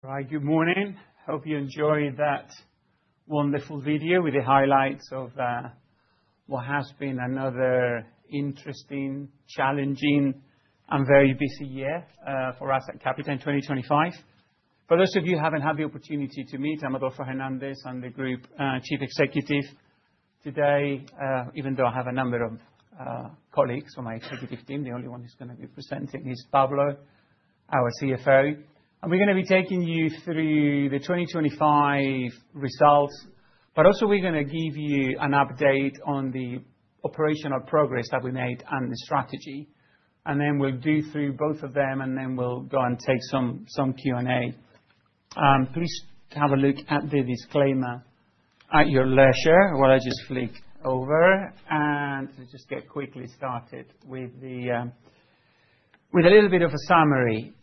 Right. Good morning. Hope you enjoyed that wonderful video with the highlights of what has been another interesting, challenging and very busy year for us at Capita in 2025. For those of you who haven't had the opportunity to meet, I'm Adolfo Hernandez. I'm the Group Chief Executive. Today, even though I have a number of colleagues on my executive team, the only one who's gonna be presenting is Pablo, our CFO. We're gonna be taking you through the 2025 results, but also we're gonna give you an update on the operational progress that we made and the strategy. Then we'll go through both of them, and then we'll go and take some Q&A. Please have a look at the disclaimer at your leisure while I just flick over and let's just get quickly started with a little bit of a summary.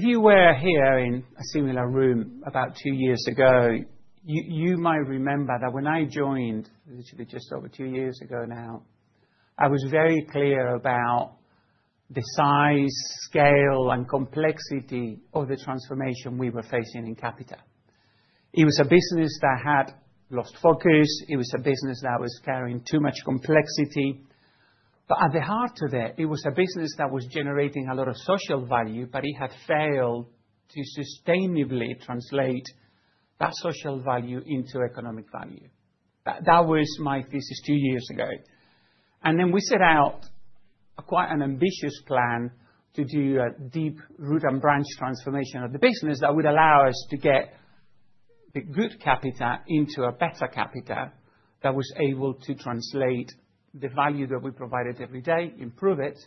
If you were here in a similar room about two years ago, you might remember that when I joined, literally just over two years ago now, I was very clear about the size, scale, and complexity of the transformation we were facing in Capita. It was a business that had lost focus. It was a business that was carrying too much complexity. At the heart of it was a business that was generating a lot of social value, but it had failed to sustainably translate that social value into economic value. That was my thesis two years ago. We set out quite an ambitious plan to do a deep root and branch transformation of the business that would allow us to get the good Capita into a better Capita that was able to translate the value that we provided every day, improve it,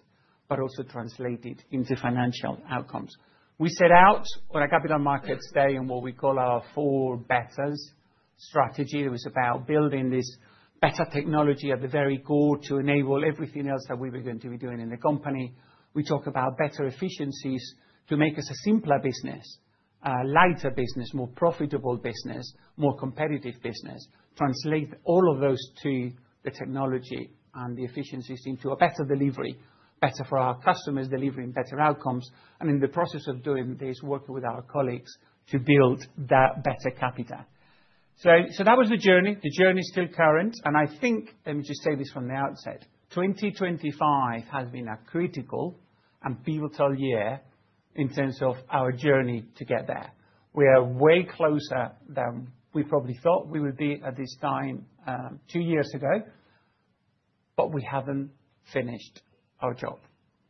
but also translate it into financial outcomes. We set out on a Capital Markets Day on what we call our Four Betters strategy. It was about building this better technology at the very core to enable everything else that we were going to be doing in the company. We talk about better efficiencies to make us a simpler business, a lighter business, more profitable business, more competitive business. Translate all of those to the technology and the efficiencies into a better delivery, better for our customers, delivering better outcomes, and in the process of doing this, working with our colleagues to build that better Capita. That was the journey. The journey is still current. I think, let me just say this from the outset, 2025 has been a critical and pivotal year in terms of our journey to get there. We are way closer than we probably thought we would be at this time, two years ago, but we haven't finished our job.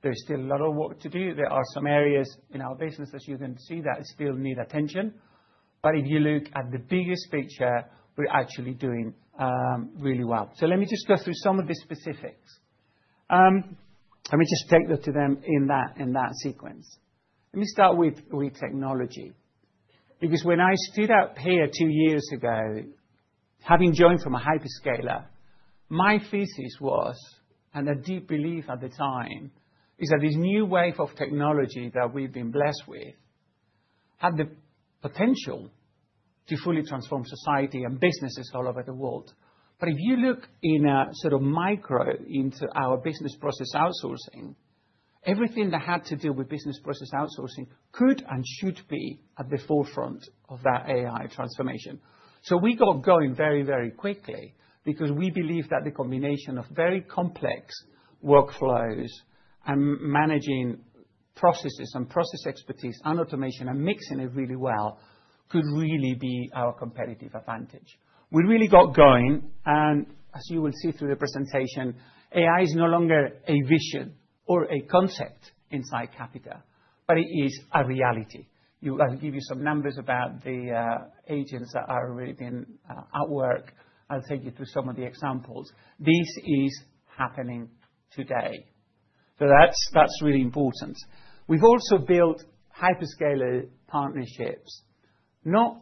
There's still a lot of work to do. There are some areas in our business, as you're going to see, that still need attention. If you look at the biggest feature, we're actually doing really well. Let me just go through some of the specifics. Let me just take you to them in that sequence. Let me start with technology, because when I stood up here two years ago, having joined from a hyperscaler, my thesis was, and a deep belief at the time, is that this new wave of technology that we've been blessed with had the potential to fully transform society and businesses all over the world. If you look in a sort of micro into our business process outsourcing, everything that had to do with business process outsourcing could and should be at the forefront of that AI transformation. We got going very, very quickly because we believe that the combination of very complex workflows and managing processes and process expertise and automation and mixing it really well could really be our competitive advantage. We really got going, and as you will see through the presentation, AI is no longer a vision or a concept inside Capita, but it is a reality. I'll give you some numbers about the agents that are already been at work. I'll take you through some of the examples. This is happening today. That's really important. We've also built hyperscaler partnerships. Not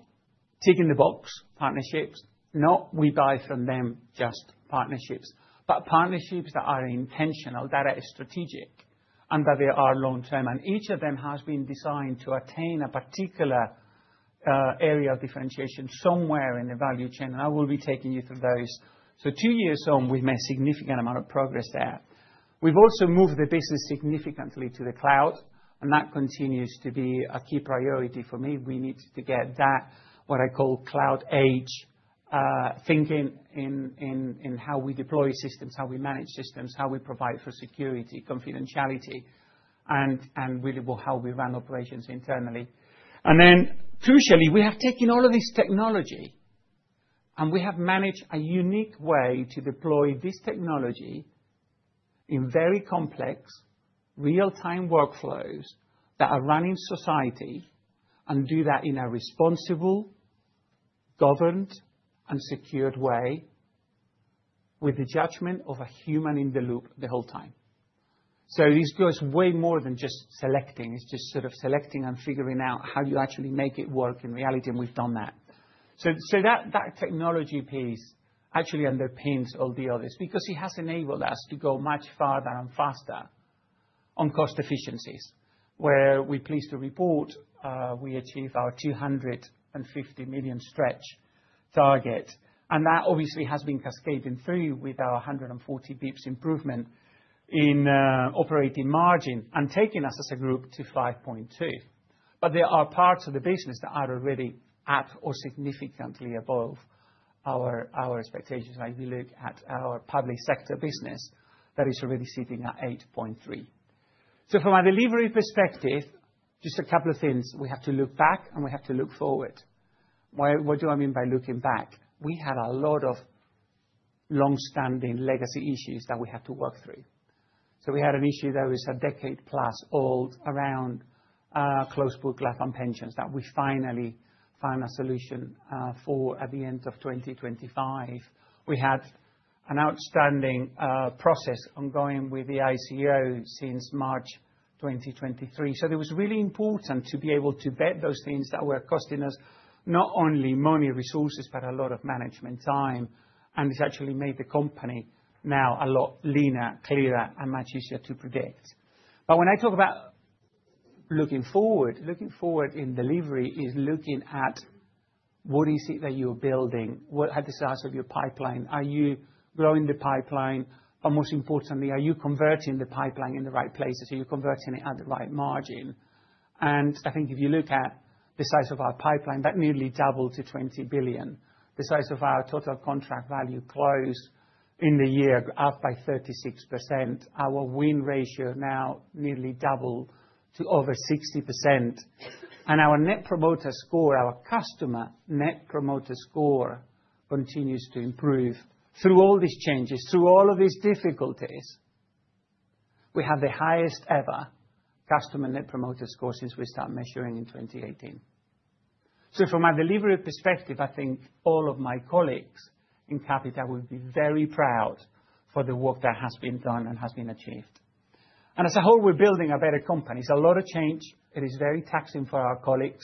ticking the box partnerships. Not we buy from them just partnerships, but partnerships that are intentional, that are strategic, and that they are long-term. Each of them has been designed to attain a particular area of differentiation somewhere in the value chain. I will be taking you through those. Two years on, we've made a significant amount of progress there. We've also moved the business significantly to the cloud, and that continues to be a key priority for me. We need to get that, what I call cloud age, thinking in how we deploy systems, how we manage systems, how we provide for security, confidentiality, and really well, how we run operations internally. Then crucially, we have taken all of this technology, and we have managed a unique way to deploy this technology in very complex real-time workflows that are run in society and do that in a responsible, governed, and secured way with the judgment of a human-in-the-loop the whole time. This goes way more than just selecting. It's just sort of selecting and figuring out how you actually make it work in reality, and we've done that. That technology piece actually underpins all the others because it has enabled us to go much farther and faster on cost efficiencies, where we're pleased to report we achieved our 250 million stretch target. That obviously has been cascading through with our 140 basis points improvement in operating margin and taking us as a group to 5.2%. There are parts of the business that are already at or significantly above our expectations. Like we look at our Public Sector business, that is already sitting at 8.3%. From a delivery perspective, just a couple of things. We have to look back, and we have to look forward. Why, what do I mean by looking back? We had a lot of longstanding legacy issues that we had to work through. We had an issue that was a decade-plus old around closed book life and pensions that we finally found a solution for at the end of 2025. We had an outstanding process ongoing with the ICO since March 2023. It was really important to be able to bed those things that were costing us not only money, resources, but a lot of management time, and it's actually made the company now a lot leaner, clearer, and much easier to predict. When I talk about looking forward, looking forward in delivery is looking at what is it that you're building, what are the size of your pipeline, are you growing the pipeline? Or most importantly, are you converting the pipeline in the right places? Are you converting it at the right margin? I think if you look at the size of our pipeline, that nearly doubled to 20 billion. The size of our total contract value closed in the year, up by 36%. Our win ratio now nearly doubled to over 60%. Our Net Promoter Score, our customer Net Promoter Score continues to improve through all these changes, through all of these difficulties. We have the highest ever customer Net Promoter Score since we started measuring in 2018. From a delivery perspective, I think all of my colleagues in Capita will be very proud for the work that has been done and has been achieved. As a whole, we're building a better company. It's a lot of change. It is very taxing for our colleagues.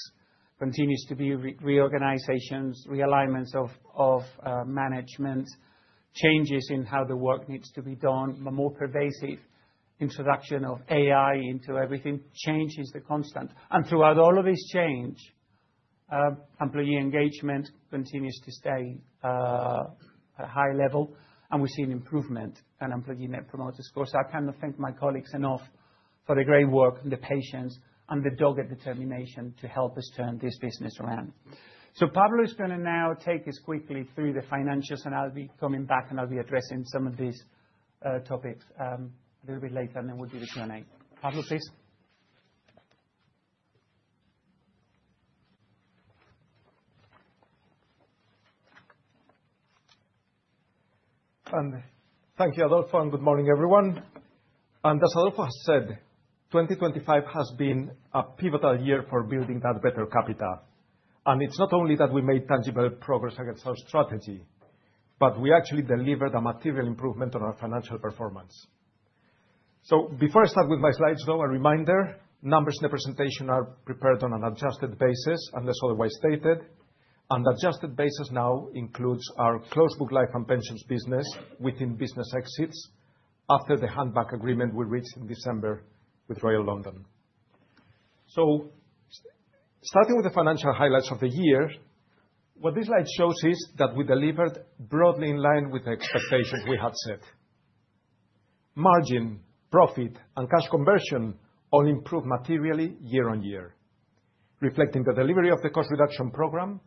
Continues to be reorganizations, realignments of management, changes in how the work needs to be done. A more pervasive introduction of AI into everything. Change is the constant. Throughout all of this change, employee engagement continues to stay at high level, and we're seeing improvement in employee Net Promoter Score. I cannot thank my colleagues enough for the great work, the patience, and the dogged determination to help us turn this business around. Pablo is gonna now take us quickly through the financials, and I'll be coming back, and I'll be addressing some of these topics a little bit later, and then we'll do the Q&A. Pablo, please. Thank you, Adolfo, and good morning, everyone. As Adolfo has said, 2025 has been a pivotal year for building that better Capita. It's not only that we made tangible progress against our strategy, but we actually delivered a material improvement on our financial performance. Before I start with my slides, though, a reminder, numbers and representation are prepared on an adjusted basis unless otherwise stated. Adjusted basis now includes our closed book life and pensions business within business exits after the hand-back agreement we reached in December with Royal London. Starting with the financial highlights of the year, what this slide shows is that we delivered broadly in line with the expectations we had set. Margin, profit, and cash conversion all improved materially year-on-year, reflecting the delivery of the cost reduction program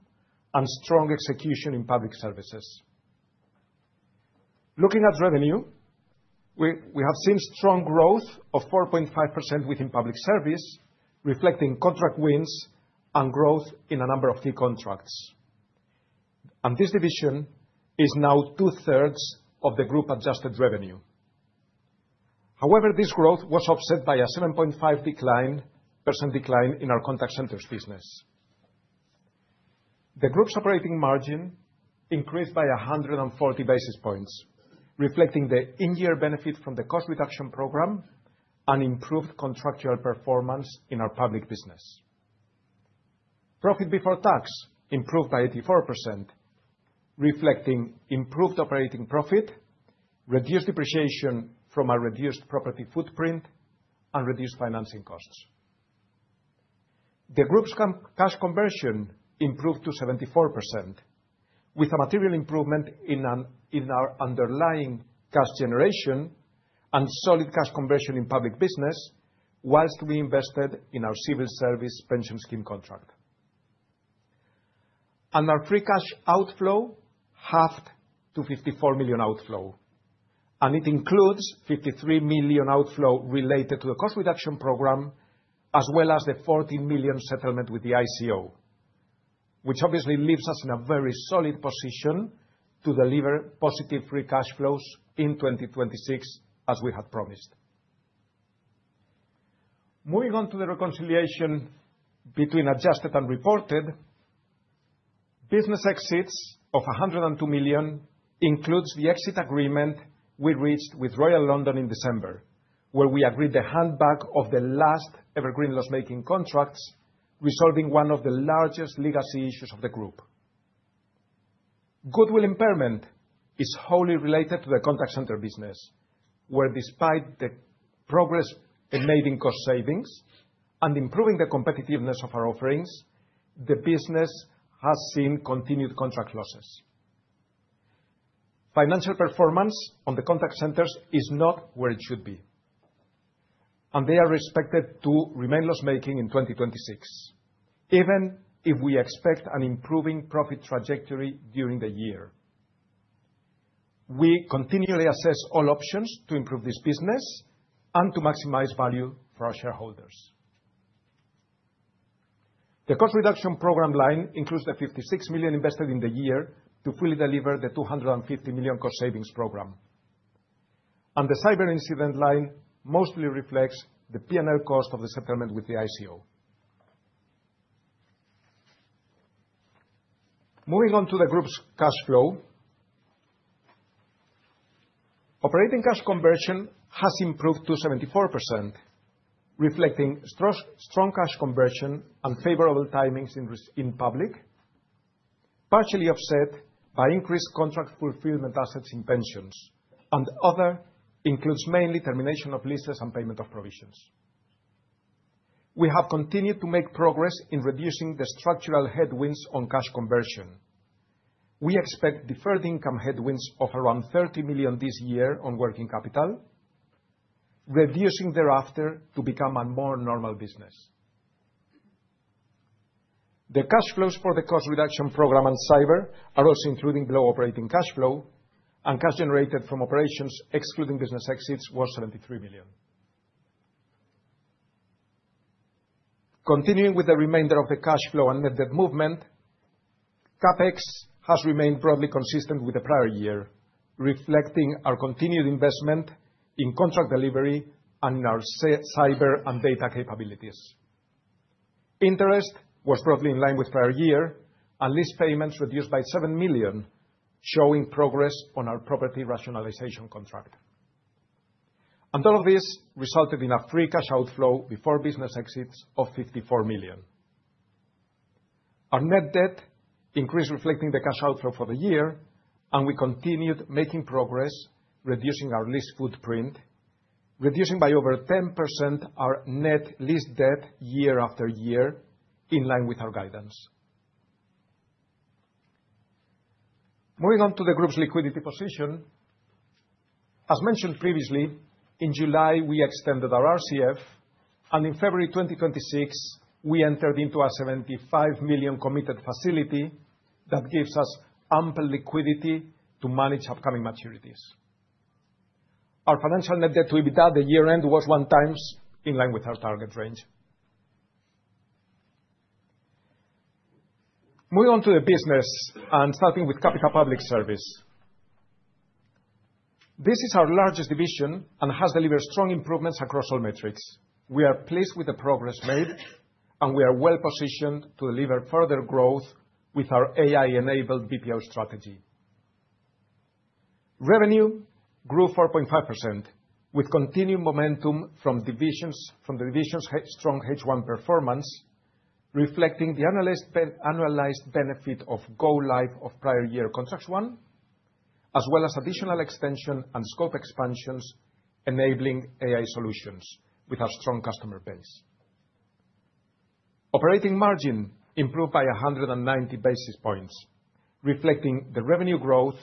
and strong execution in Public Services. Looking at revenue, we have seen strong growth of 4.5% within Public Service, reflecting contract wins and growth in a number of key contracts. This division is now two-thirds of the group adjusted revenue. However, this growth was offset by a 7.5% decline in our Contact Centres business. The group's operating margin increased by 140 basis points, reflecting the in-year benefit from the cost reduction program and improved contractual performance in our Public Service business. Profit before tax improved by 84%, reflecting improved operating profit, reduced depreciation from a reduced property footprint, and reduced financing costs. The group's cash conversion improved to 74%, with a material improvement in our underlying cash generation and solid cash conversion in Public Service business, while we invested in our Civil Service Pension Scheme contract. Our free cash outflow halved to 54 million outflow, and it includes 53 million outflow related to the cost reduction program, as well as the 40 million settlement with the ICO, which obviously leaves us in a very solid position to deliver positive free cash flows in 2026, as we had promised. Moving on to the reconciliation between adjusted and reported. Business exits of 102 million includes the exit agreement we reached with Royal London in December, where we agreed the hand-back of the last evergreen loss-making contracts, resolving one of the largest legacy issues of the group. Goodwill impairment is wholly related to the Contact Centre business. Where despite the progress they made in cost savings and improving the competitiveness of our offerings, the business has seen continued contract losses. Financial performance on the Contact Centre is not where it should be, and they are expected to remain loss-making in 2026, even if we expect an improving profit trajectory during the year. We continually assess all options to improve this business and to maximize value for our shareholders. The cost reduction program line includes the 56 million invested in the year to fully deliver the 250 million cost savings program. The cyber incident line mostly reflects the P&L cost of the settlement with the ICO. Moving on to the group's cash flow. Operating cash conversion has improved to 74%, reflecting strong cash conversion and favorable timings in Public, partially offset by increased contract fulfillment assets in Pensions, and other includes mainly termination of leases and payment of provisions. We have continued to make progress in reducing the structural headwinds on cash conversion. We expect deferred income headwinds of around 30 million this year on working capital, reducing thereafter to become a more normal business. The cash flows for the cost reduction program and cyber are also including low operating cash flow, and cash generated from operations excluding business exits was 73 million. Continuing with the remainder of the cash flow and net debt movement, CapEx has remained broadly consistent with the prior year, reflecting our continued investment in contract delivery and our cyber and data capabilities. Interest was probably in line with prior year and lease payments reduced by 7 million, showing progress on our property rationalization contract. All of this resulted in a free cash outflow before business exits of 54 million. Our net debt increased reflecting the cash outflow for the year, and we continued making progress reducing our lease footprint, reducing by over 10% our net lease debt year after year, in line with our guidance. Moving on to the group's liquidity position. As mentioned previously, in July, we extended our RCF, and in February 2026, we entered into a 75 million committed facility that gives us ample liquidity to manage upcoming maturities. Our financial net debt to EBITDA at year-end was 1x, in line with our target range. Moving on to the business and starting with Capita Public Service. This is our largest division and has delivered strong improvements across all metrics. We are pleased with the progress made, and we are well-positioned to deliver further growth with our AI-enabled BPO strategy. Revenue grew 4.5% with continued momentum from the divisions' strong H1 performance, reflecting the analyzed benefit of go-live of prior year contracts won, as well as additional extension and scope expansions, enabling AI solutions with our strong customer base. Operating margin improved by 190 basis points, reflecting the revenue growth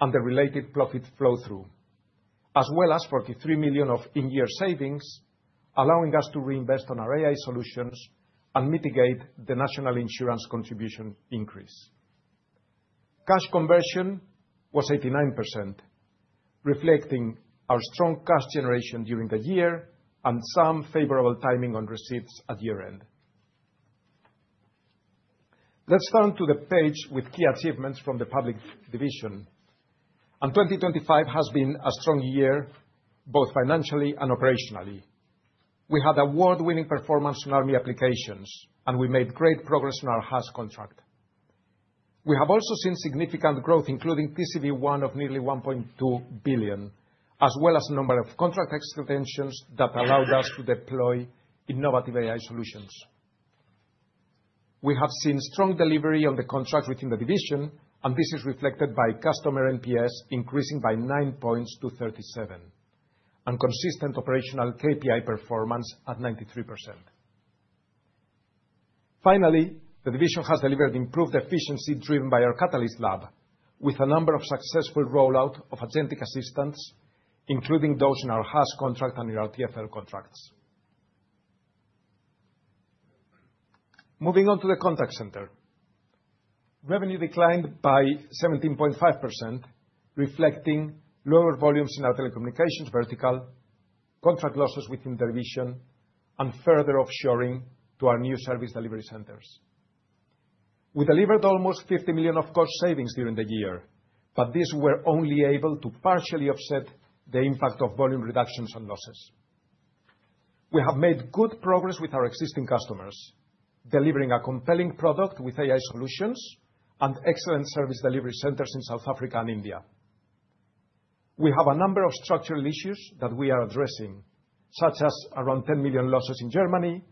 and the related profit flow through, as well as 43 million of in-year savings, allowing us to reinvest on our AI solutions and mitigate the National Insurance contribution increase. Cash conversion was 89%, reflecting our strong cash generation during the year and some favorable timing on receipts at year-end. Let's turn to the page with key achievements from the Public division. 2025 has been a strong year, both financially and operationally. We had award-winning performance in army applications, and we made great progress in our HAAS contract. We have also seen significant growth, including TCV1 of nearly 1.2 billion, as well as a number of contract extensions that allowed us to deploy innovative AI solutions. We have seen strong delivery on the contract within the division, and this is reflected by customer NPS increasing by 9 points to 37, and consistent operational KPI performance at 93%. Finally, the division has delivered improved efficiency driven by our Catalyst Lab, with a number of successful rollout of agentic assistants, including those in our HAAS contract and our TfL contracts. Moving on to the Contact Centre. Revenue declined by 17.5%, reflecting lower volumes in our telecommunications vertical, contract losses within the division, and further offshoring to our new service delivery centres. We delivered almost 50 million of cost savings during the year, but these were only able to partially offset the impact of volume reductions and losses. We have made good progress with our existing customers, delivering a compelling product with AI solutions and excellent service delivery centres in South Africa and India. We have a number of structural issues that we are addressing, such as around 10 million losses in Germany,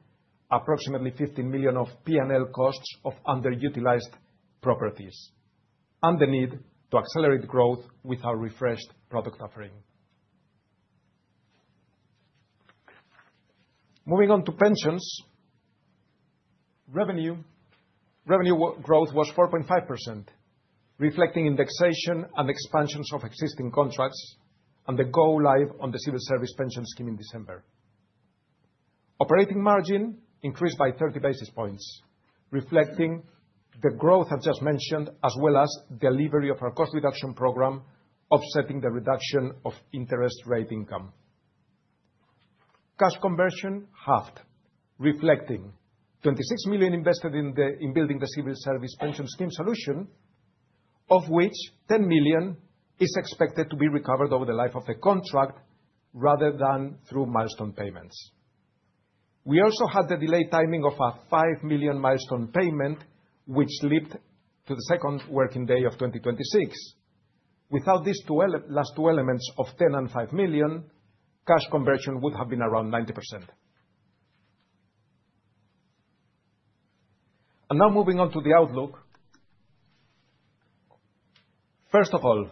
approximately 50 million of P&L costs of underutilized properties. The need to accelerate growth with our refreshed product offering. Moving on to pensions. Revenue growth was 4.5%, reflecting indexation and expansions of existing contracts and the go live on the Civil Service Pension Scheme in December. Operating margin increased by 30 basis points, reflecting the growth I've just mentioned, as well as delivery of our cost reduction program, offsetting the reduction of interest rate income. Cash conversion halved, reflecting 26 million invested in building the Civil Service Pension Scheme solution, of which 10 million is expected to be recovered over the life of the contract rather than through milestone payments. We also had the delayed timing of a 5 million milestone payment, which slipped to the second working day of 2026. Without these last two elements of 10 million and 5 million, cash conversion would have been around 90%. Now moving on to the outlook. First of all,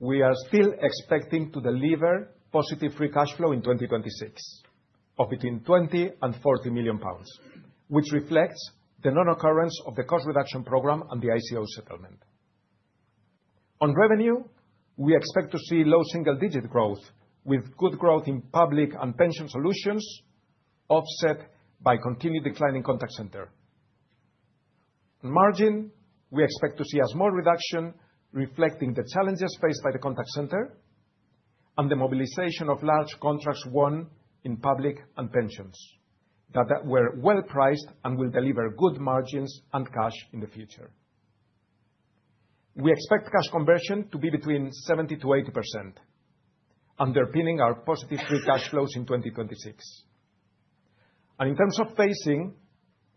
we are still expecting to deliver positive free cash flow in 2026 of between 20 million and 40 million pounds, which reflects the non-occurrence of the cost reduction program and the ICO settlement. On revenue, we expect to see low single-digit growth with good growth in Public and Pension Solutions, offset by continued declining Contact Centre. In margin, we expect to see a small reduction reflecting the challenges faced by the Contact Centre and the mobilization of large contracts won in Public Service and Pension Solutions that were well priced and will deliver good margins and cash in the future. We expect cash conversion to be between 70%-80%, underpinning our positive free cash flows in 2026. In terms of phasing,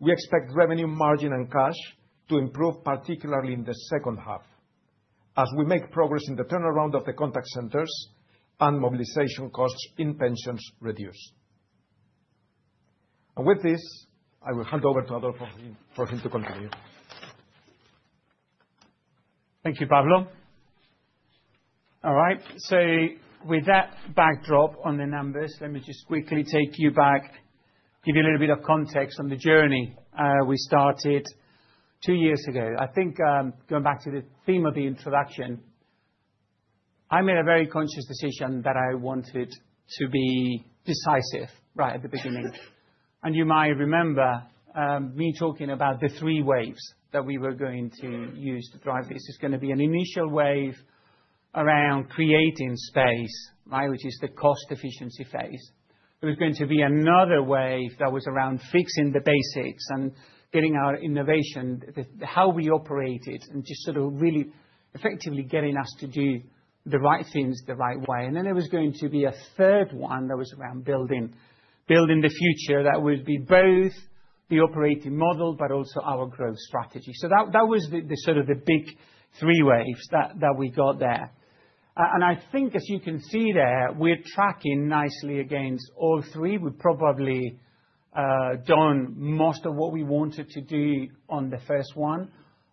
we expect revenue margin and cash to improve, particularly in the second half as we make progress in the turnaround of the Contact Centres and mobilization costs in Pension Solutions reduce. With this, I will hand over to Adolfo for him to continue. Thank you, Pablo. All right, with that backdrop on the numbers, let me just quickly take you back, give you a little bit of context on the journey, we started two years ago. I think, going back to the theme of the introduction, I made a very conscious decision that I wanted to be decisive right at the beginning. You might remember, me talking about the three waves that we were going to use to drive this. There's gonna be an initial wave around creating space, right, which is the cost efficiency phase. There was going to be another wave that was around fixing the basics and getting our innovation, how we operated, and just sort of really effectively getting us to do the right things the right way. There was going to be a third one that was around building the future that would be both the operating model but also our growth strategy. That was the sort of big three waves that we got there. I think as you can see there, we're tracking nicely against all three. We've probably done most of what we wanted to do on the first one.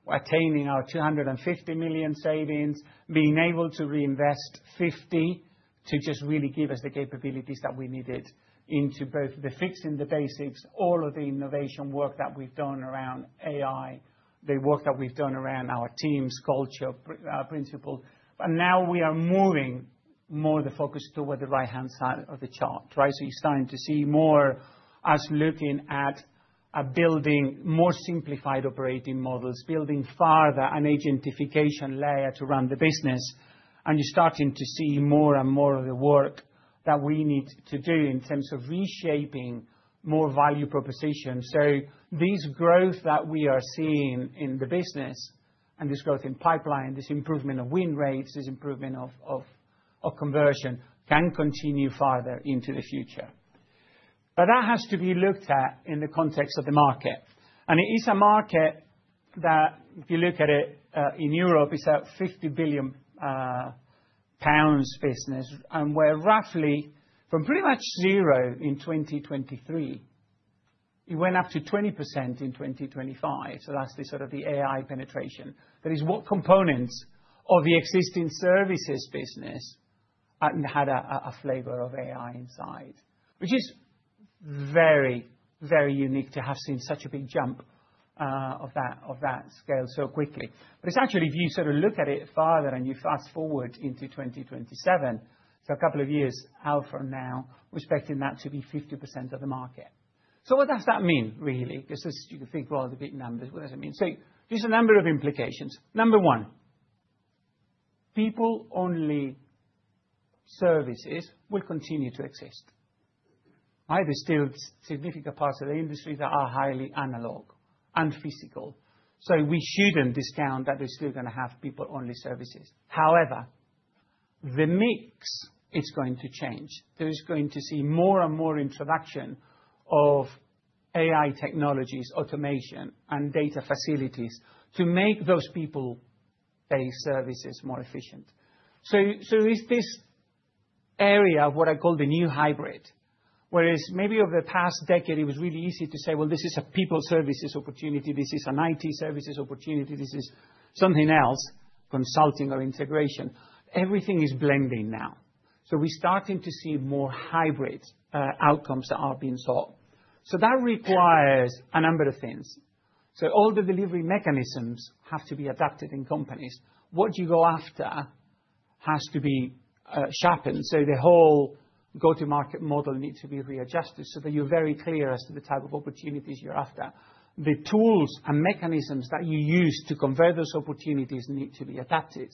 We're attaining our 250 million savings, being able to reinvest 50 million to just really give us the capabilities that we needed into both the fixing the basics, all of the innovation work that we've done around AI, the work that we've done around our teams, culture, principles. Now we are moving more of the focus toward the right-hand side of the chart, right? You're starting to see more of us looking at building more simplified operating models, building further an agentification layer to run the business, and you're starting to see more and more of the work that we need to do in terms of reshaping more value propositions. This growth that we are seeing in the business and this growth in pipeline, this improvement of win rates, this improvement of conversion can continue farther into the future. That has to be looked at in the context of the market. It is a market that if you look at it in Europe, it's a 50 billion pounds business, and we're roughly from pretty much zero in 2023, it went up to 20% in 2025. That's the sort of the AI penetration. That is what components of the existing services business had a flavor of AI inside. Which is very, very unique to have seen such a big jump of that scale so quickly. It's actually, if you sort of look at it farther and you fast-forward into 2027, so a couple of years out from now, we're expecting that to be 50% of the market. What does that mean really? This is. You could think, well, they're big numbers. What does it mean? There's a number of implications. Number one, people-only services will continue to exist. Right? There's still significant parts of the industry that are highly analog and physical, so we shouldn't discount that we're still gonna have people-only services. However, the mix is going to change. There is going to be more and more introduction of AI technologies, automation, and data facilities to make those people-based services more efficient. This area of what I call the new hybrid. Whereas maybe over the past decade, it was really easy to say, "Well, this is a people services opportunity, this is an IT services opportunity, this is something else, consulting or integration." Everything is blending now. We're starting to see more hybrid outcomes that are being sought. That requires a number of things. All the delivery mechanisms have to be adapted in companies. What you go after has to be sharpened, so the whole go-to-market model needs to be readjusted so that you're very clear as to the type of opportunities you're after. The tools and mechanisms that you use to convert those opportunities need to be adapted.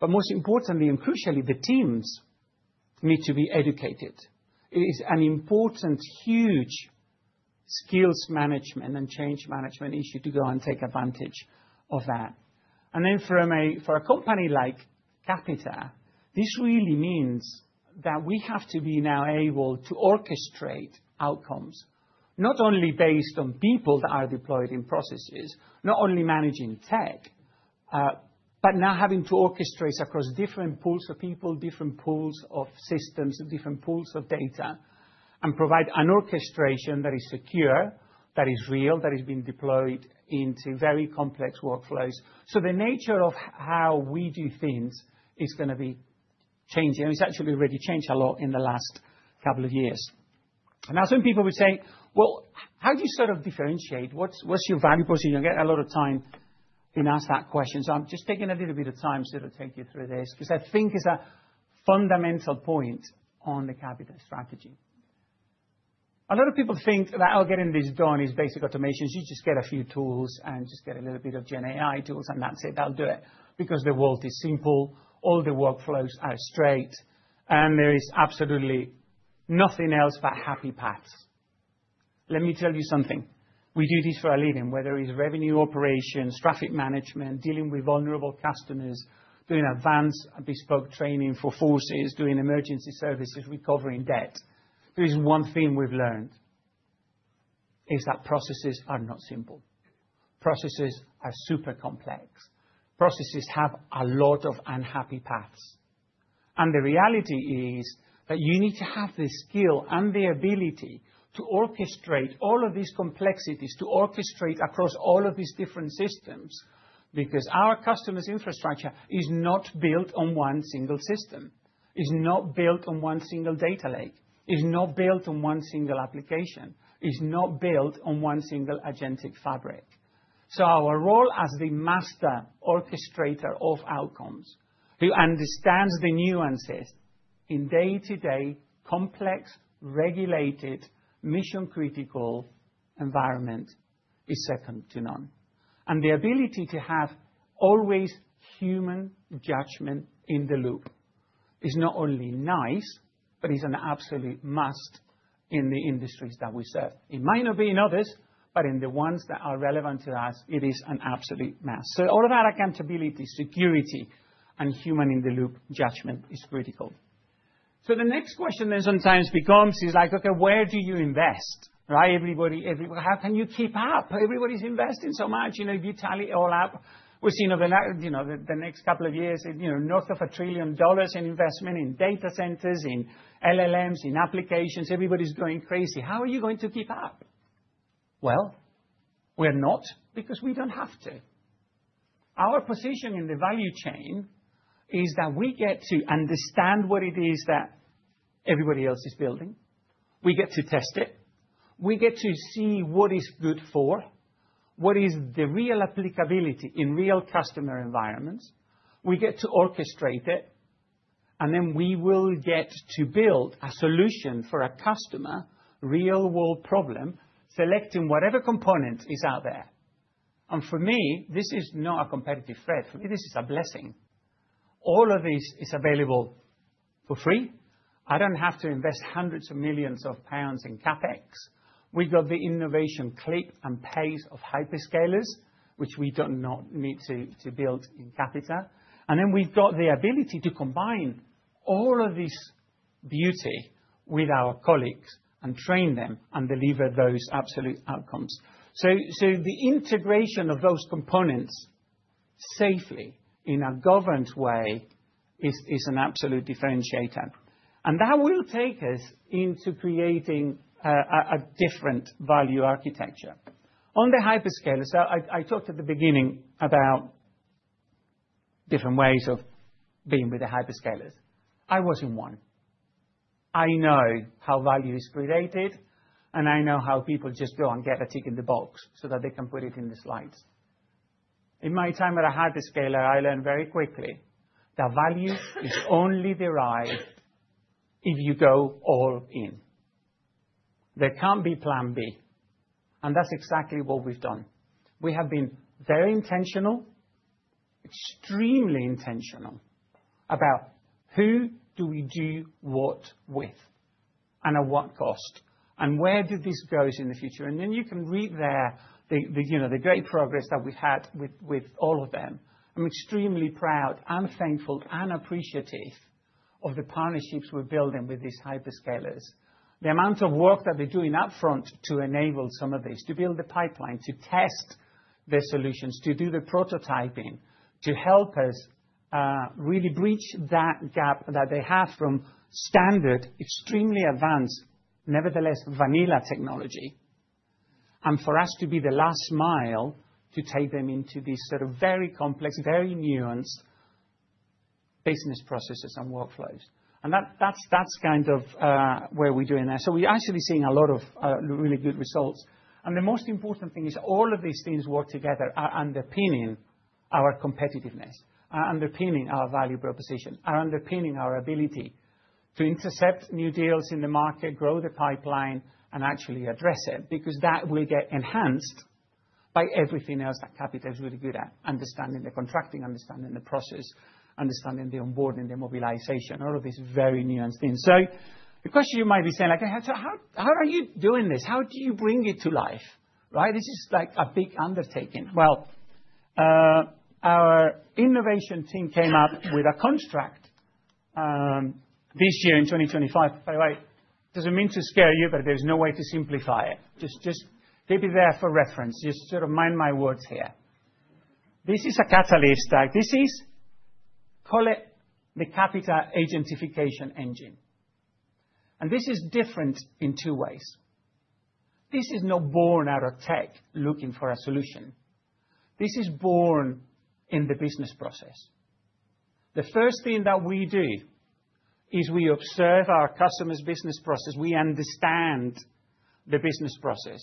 Most importantly, and crucially, the teams need to be educated. It is an important, huge skills management and change management issue to go and take advantage of that. For a company like Capita, this really means that we have to be now able to orchestrate outcomes, not only based on people that are deployed in processes, not only managing tech, but now having to orchestrate across different pools of people, different pools of systems, different pools of data, and provide an orchestration that is secure, that is real, that is being deployed into very complex workflows. The nature of how we do things is gonna be changing. It's actually already changed a lot in the last couple of years. Now, some people would say, "Well, how do you sort of differentiate? What's your value proposition?" I get a lot of time being asked that question, so I'm just taking a little bit of time to sort of take you through this, because I think it's a fundamental point on the Capita strategy. A lot of people think that, oh, getting this done is basic automation. You just get a few tools and just get a little bit of GenAI tools, and that's it, that'll do it, because the world is simple, all the workflows are straight, and there is absolutely nothing else but happy paths. Let me tell you something. We do this for a living, whether it's revenue operations, traffic management, dealing with vulnerable customers, doing advanced bespoke training for forces, doing emergency services, recovering debt. There is one thing we've learned, is that processes are not simple. Processes are super complex. Processes have a lot of unhappy paths. The reality is that you need to have the skill and the ability to orchestrate all of these complexities, to orchestrate across all of these different systems. Because our customers' infrastructure is not built on one single system, is not built on one single data lake, is not built on one single application, is not built on one single agentic fabric. Our role as the master orchestrator of outcomes who understands the nuances in day-to-day, complex, regulated, mission-critical environment is second to none. The ability to have always human judgment in the loop is not only nice, but is an absolute must in the industries that we serve. It might not be in others, but in the ones that are relevant to us, it is an absolute must. All of our accountability, security, and human-in-the-loop judgment is critical. The next question sometimes becomes is like, okay, where do you invest? Right? Everybody. How can you keep up? Everybody's investing so much. You know, if you tally it all up, we've seen you know, the next couple of years, you know, north of $1 trillion in investment in data centres, in LLMs, in applications. Everybody's going crazy. How are you going to keep up? Well, we're not, because we don't have to. Our position in the value chain is that we get to understand what it is that everybody else is building. We get to test it. We get to see what it's good for, what is the real applicability in real customer environments. We get to orchestrate it, and then we will get to build a solution for a customer, real-world problem, selecting whatever component is out there. For me, this is not a competitive threat. For me, this is a blessing. All of this is available for free. I don't have to invest hundreds of millions of GBP in CapEx. We've got the innovation click and pace of hyperscalers, which we do not need to build in Capita. We've got the ability to combine all of this beauty with our colleagues and train them and deliver those absolute outcomes. The integration of those components safely in a governed way is an absolute differentiator. That will take us into creating a different value architecture. On the hyperscalers, I talked at the beginning about different ways of being with the hyperscalers. I was in one. I know how value is created, and I know how people just go and get a tick in the box so that they can put it in the slides. In my time at a hyperscaler, I learned very quickly that value is only derived if you go all in. There can't be plan B. That's exactly what we've done. We have been very intentional, extremely intentional about who do we do what with and at what cost, and where do this goes in the future. Then you can read there the, you know, the great progress that we've had with all of them. I'm extremely proud and thankful and appreciative of the partnerships we're building with these hyperscalers. The amount of work that we're doing up front to enable some of this, to build the pipeline, to test the solutions, to do the prototyping, to help us really bridge that gap that they have from standard, extremely advanced, nevertheless vanilla technology. For us to be the last mile to take them into these sort of very complex, very nuanced business processes and workflows. That's kind of where we're doing that. We're actually seeing a lot of really good results. The most important thing is all of these things work together are underpinning our competitiveness, are underpinning our value proposition, are underpinning our ability to intercept new deals in the market, grow the pipeline, and actually address it, because that will get enhanced by everything else that Capita is really good at. Understanding the contracting, understanding the process, understanding the onboarding, the mobilization, all of these very nuanced things. The question you might be saying, like, "How are you doing this? How do you bring it to life?" Right? This is like a big undertaking. Well, our innovation team came up with a contract, this year in 2025. By the way, doesn't mean to scare you, but there's no way to simplify it. Just keep it there for reference. Just sort of mind my words here. This is a catalyst. Like, this is. Call it the Capita agentification engine. This is different in two ways. This is not born out of tech looking for a solution. This is born in the business process. The first thing that we do is we observe our customer's business process. We understand the business process,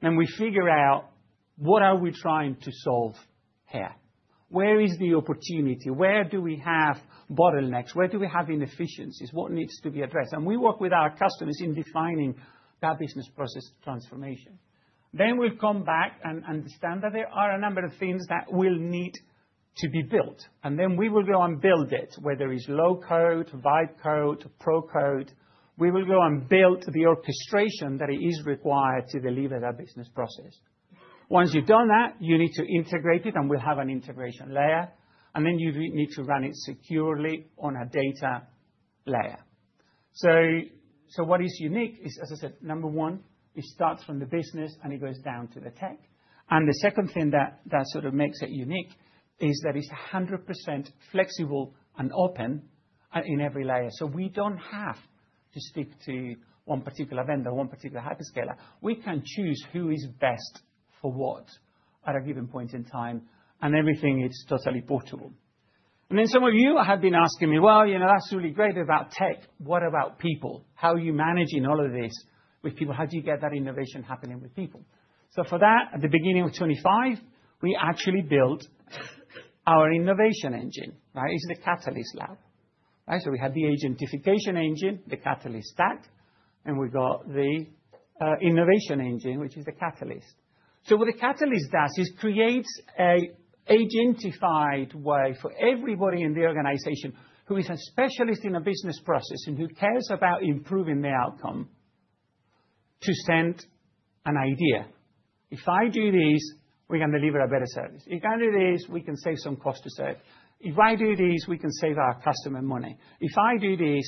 and we figure out what are we trying to solve here. Where is the opportunity? Where do we have bottlenecks? Where do we have inefficiencies? What needs to be addressed? We work with our customers in defining that business process transformation. We'll come back and understand that there are a number of things that will need to be built, and then we will go and build it, whether it's low-code, vibe coding, pro-code. We will go and build the orchestration that is required to deliver that business process. Once you've done that, you need to integrate it, and we'll have an integration layer, and then you need to run it securely on a data layer. What is unique is, as I said, number one, it starts from the business and it goes down to the tech. The second thing that sort of makes it unique is that it's 100% flexible and open in every layer. We don't have to stick to one particular vendor, one particular hyperscaler. We can choose who is best for what at a given point in time, and everything is totally portable. Some of you have been asking me, "Well, you know, that's really great about tech. What about people? How are you managing all of this with people? How do you get that innovation happening with people?" For that, at the beginning of 2025, we actually built our innovation engine. Right? It's the Catalyst Lab. Right? We have the agentification engine, the Catalyst Stack, and we've got the innovation engine, which is the catalyst. What a catalyst does is creates a agentified way for everybody in the organization who is a specialist in a business process and who cares about improving the outcome to send an idea. If I do this, we're gonna deliver a better service. If I do this, we can save some cost to serve. If I do this, we can save our customer money. If I do this.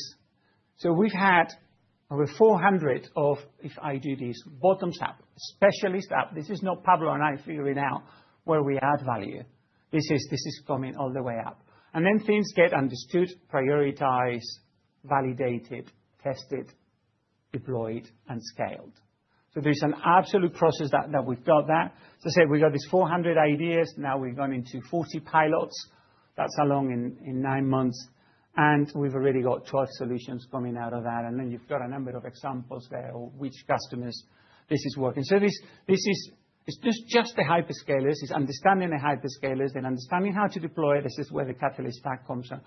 We've had over 400 of, "If I do this," bottoms up, specialist up. This is not Pablo and I figuring out where we add value. This is coming all the way up. Then things get understood, prioritized, validated, tested, deployed, and scaled. There's an absolute process that we've got. As I said, we got these 400 ideas, now we've gone into 40 pilots. That's how long in nine months. We've already got 12 solutions coming out of that. You've got a number of examples there of which customers this is working. This is, it's just the hyperscalers. It's understanding the hyperscalers and understanding how to deploy. This is where the Catalyst Stack comes from.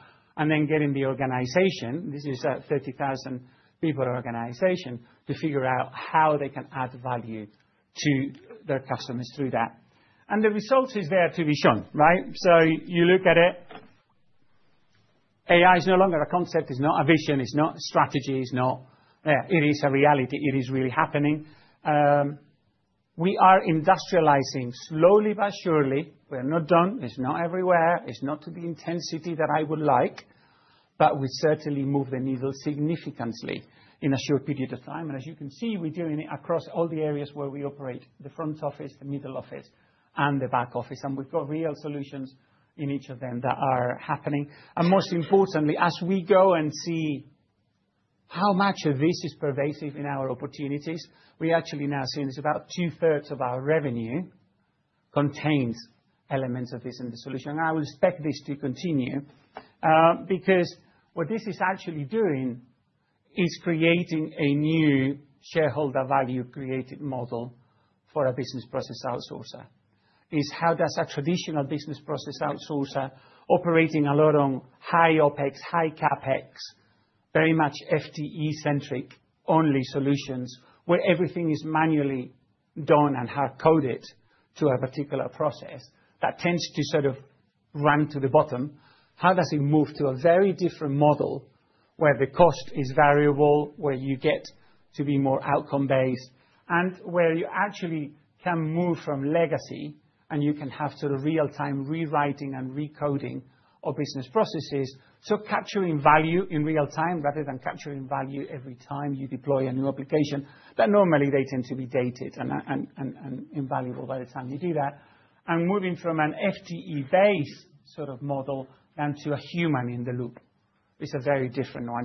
Getting the organization, this is a 30,000 people organization, to figure out how they can add value to their customers through that. The result is there to be shown, right? You look at it. AI is no longer a concept. It's not a vision, it's not a strategy, it's not. Yeah. It is a reality. It is really happening. We are industrializing slowly but surely. We're not done. It's not everywhere. It's not to the intensity that I would like, but we certainly moved the needle significantly in a short period of time. As you can see, we're doing it across all the areas where we operate, the front office, the middle office, and the back office. We've got real solutions in each of them that are happening. Most importantly, as we go and see how much of this is pervasive in our opportunities, we actually now are seeing it's about two-thirds of our revenue contains elements of this in the solution. I would expect this to continue, because what this is actually doing is creating a new shareholder value created model for a business process outsourcer. This is how a traditional business process outsourcer operating a lot on high OpEx, high CapEx, very much FTE-centric only solutions where everything is manually done and hard-coded to a particular process that tends to sort of run to the bottom. How does it move to a very different model where the cost is variable, where you get to be more outcome-based, and where you actually can move from legacy and you can have sort of real-time rewriting and recoding of business processes? Capturing value in real time rather than capturing value every time you deploy a new application, that normally they tend to be dated and invaluable by the time you do that. Moving from an FTE-based sort of model and to a human in the loop. It's a very different one.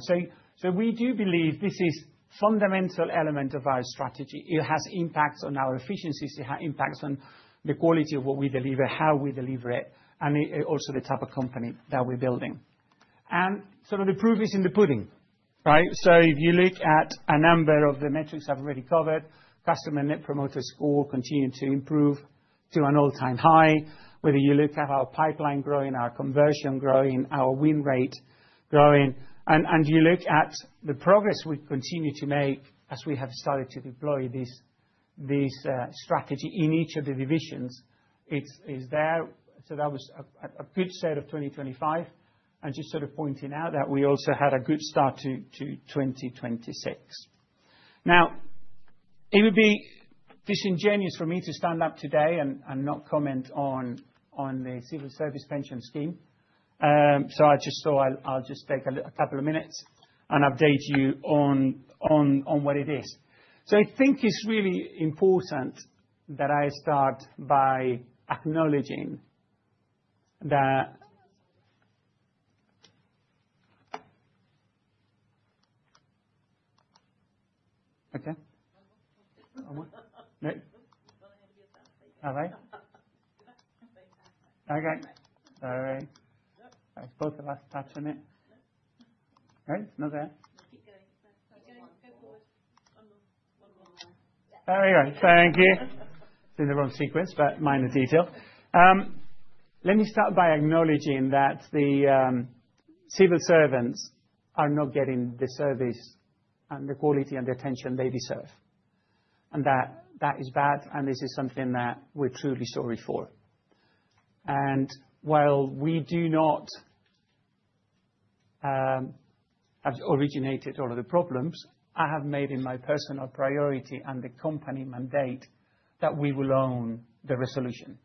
We do believe this is fundamental element of our strategy. It has impacts on our efficiencies, it impacts on the quality of what we deliver, how we deliver it, and also the type of company that we're building. Some of the proof is in the pudding, right? If you look at a number of the metrics I've already covered, customer Net Promoter Score continued to improve to an all-time high. Whether you look at our pipeline growing, our conversion growing, our win rate growing, and you look at the progress we continue to make as we have started to deploy this strategy in each of the divisions, it's there. That was a good set of 2025. Just sort of pointing out that we also had a good start to 2026. Now, it would be disingenuous for me to stand up today and not comment on the Civil Service Pension Scheme. I just thought I'll just take a couple of minutes and update you on what it is. I think it's really important that I start by acknowledging that. Okay. No? Go ahead, you passed it. All right. Okay. All right. Both of us touching it. No, it's not there. Keep going. Go forward. One more line. Yeah. There we go. Thank you. It's in the wrong sequence, but minor detail. Let me start by acknowledging that the civil servants are not getting the service and the quality and the attention they deserve. That is bad, and this is something that we're truly sorry for. While we do not have originated all of the problems, I have made it my personal priority and the company mandate that we will own the resolution.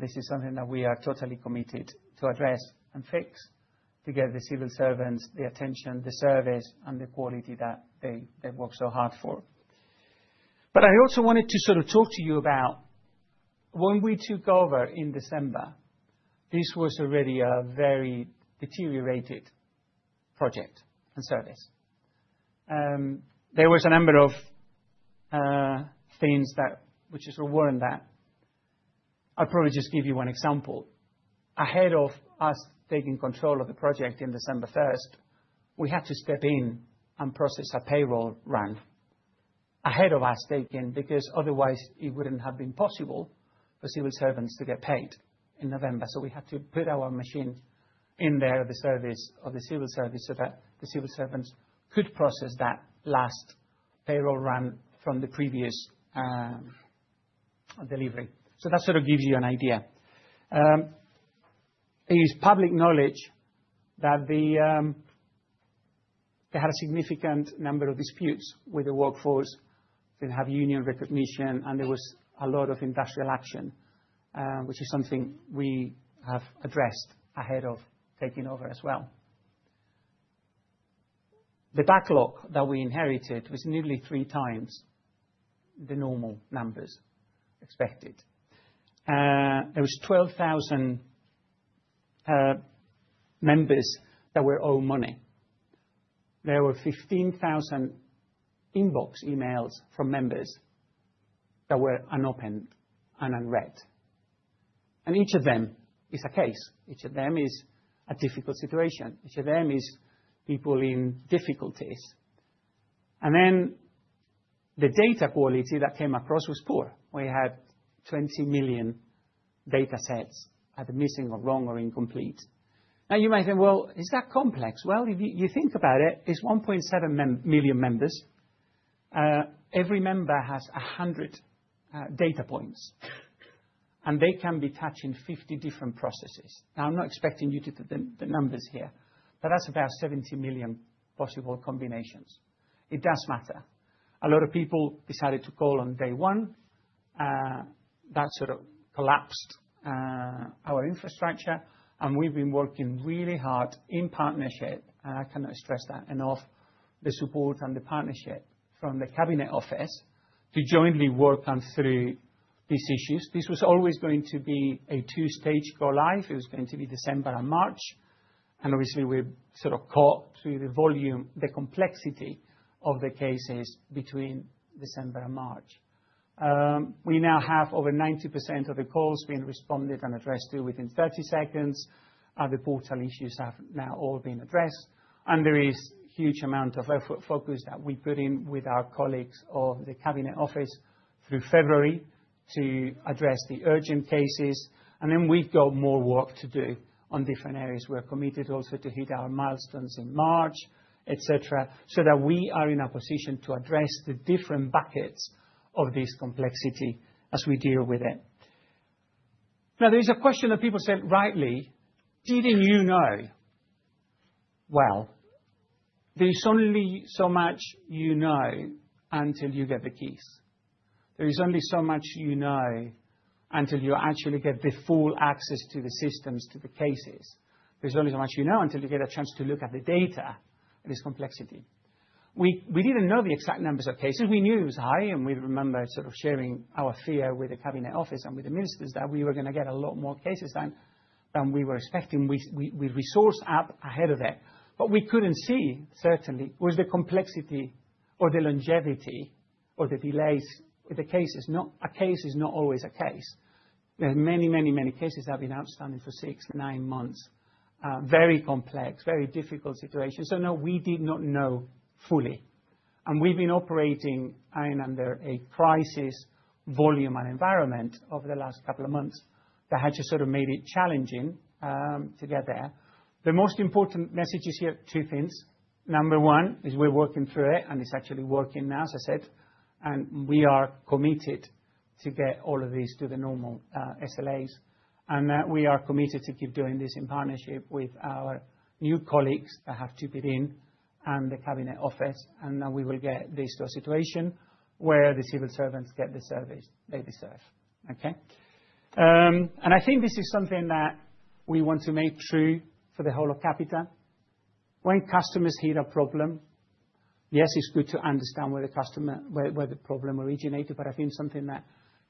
This is something that we are totally committed to address and fix to give the civil servants the attention, the service, and the quality that they work so hard for. I also wanted to sort of talk to you about when we took over in December, this was already a very deteriorated project and service. There was a number of things which has ruined that. I'll probably just give you one example. Ahead of us taking control of the project in December first, we had to step in and process a payroll run ahead of our start in, because otherwise it wouldn't have been possible for civil servants to get paid in November. We had to put our machine in there, the service of the civil service, so that the civil servants could process that last payroll run from the previous delivery. That sort of gives you an idea. It is public knowledge that they had a significant number of disputes with the workforce, didn't have union recognition, and there was a lot of industrial action, which is something we have addressed ahead of taking over as well. The backlog that we inherited was nearly 3x the normal numbers expected. There was 12,000 members that were owed money. There were 15,000 inbox emails from members that were unopened and unread. Each of them is a case, each of them is a difficult situation, each of them is people in difficulties. The data quality that came across was poor. We had 20 million data sets either missing, or wrong, or incomplete. Now you might think, "Well, is that complex?" Well, if you think about it's 1.7 million members. Every member has 100 data points, and they can be touching 50 different processes. Now, I'm not expecting you to do the numbers here, but that's about 70 million possible combinations. It does matter. A lot of people decided to call on day one. That sort of collapsed our infrastructure and we've been working really hard in partnership, and I cannot stress that enough, the support and the partnership from the Cabinet Office to jointly work on through these issues. This was always going to be a two-stage go live. It was going to be December and March, and obviously we're sort of caught through the volume, the complexity of the cases between December and March. We now have over 90% of the calls being responded to and addressed within 30 seconds. The portal issues have now all been addressed, and there is huge amount of effort and focus that we put in with our colleagues of the Cabinet Office through February to address the urgent cases. Then we've got more work to do on different areas. We're committed also to hit our milestones in March, et cetera, so that we are in a position to address the different buckets of this complexity as we deal with it. Now, there is a question that people said rightly, "Didn't you know?" Well, there's only so much you know until you get the keys. There is only so much you know until you actually get the full access to the systems, to the cases. There's only so much you know until you get a chance to look at the data and its complexity. We didn't know the exact numbers of cases. We knew it was high, and we remember sort of sharing our fear with the Cabinet Office and with the ministers that we were gonna get a lot more cases than we were expecting. We resourced up ahead of that. What we couldn't see, certainly, was the complexity or the longevity or the delays. A case is not always a case. There are many cases that have been outstanding for six, nine months. Very complex, very difficult situations. No, we did not know fully. We've been operating, I mean, under a crisis volume and environment over the last couple of months that has just sort of made it challenging to get there. The most important messages here, two things. Number one is we're working through it, and it's actually working now, as I said, and we are committed to get all of this to the normal SLAs. We are committed to keep doing this in partnership with our new colleagues that have chipped in and the Cabinet Office, and we will get this to a situation where the civil servants get the service they deserve. Okay. I think this is something that we want to make true for the whole of Capita. When customers hit a problem, yes, it's good to understand where the problem originated, but I think something that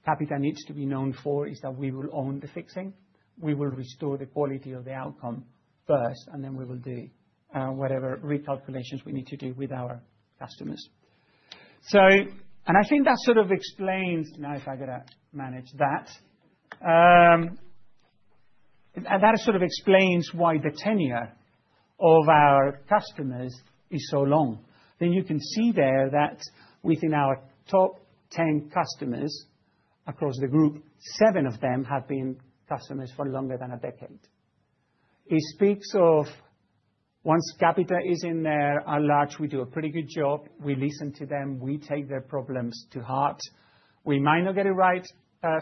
Capita needs to be known for is that we will own the fixing. We will restore the quality of the outcome first, and then we will do whatever recalculations we need to do with our customers. I think that sort of explains why the tenure of our customers is so long. You can see there that within our top 10 customers across the group, seven of them have been customers for longer than a decade. It speaks of once Capita is in there at large, we do a pretty good job. We listen to them. We take their problems to heart. We might not get it right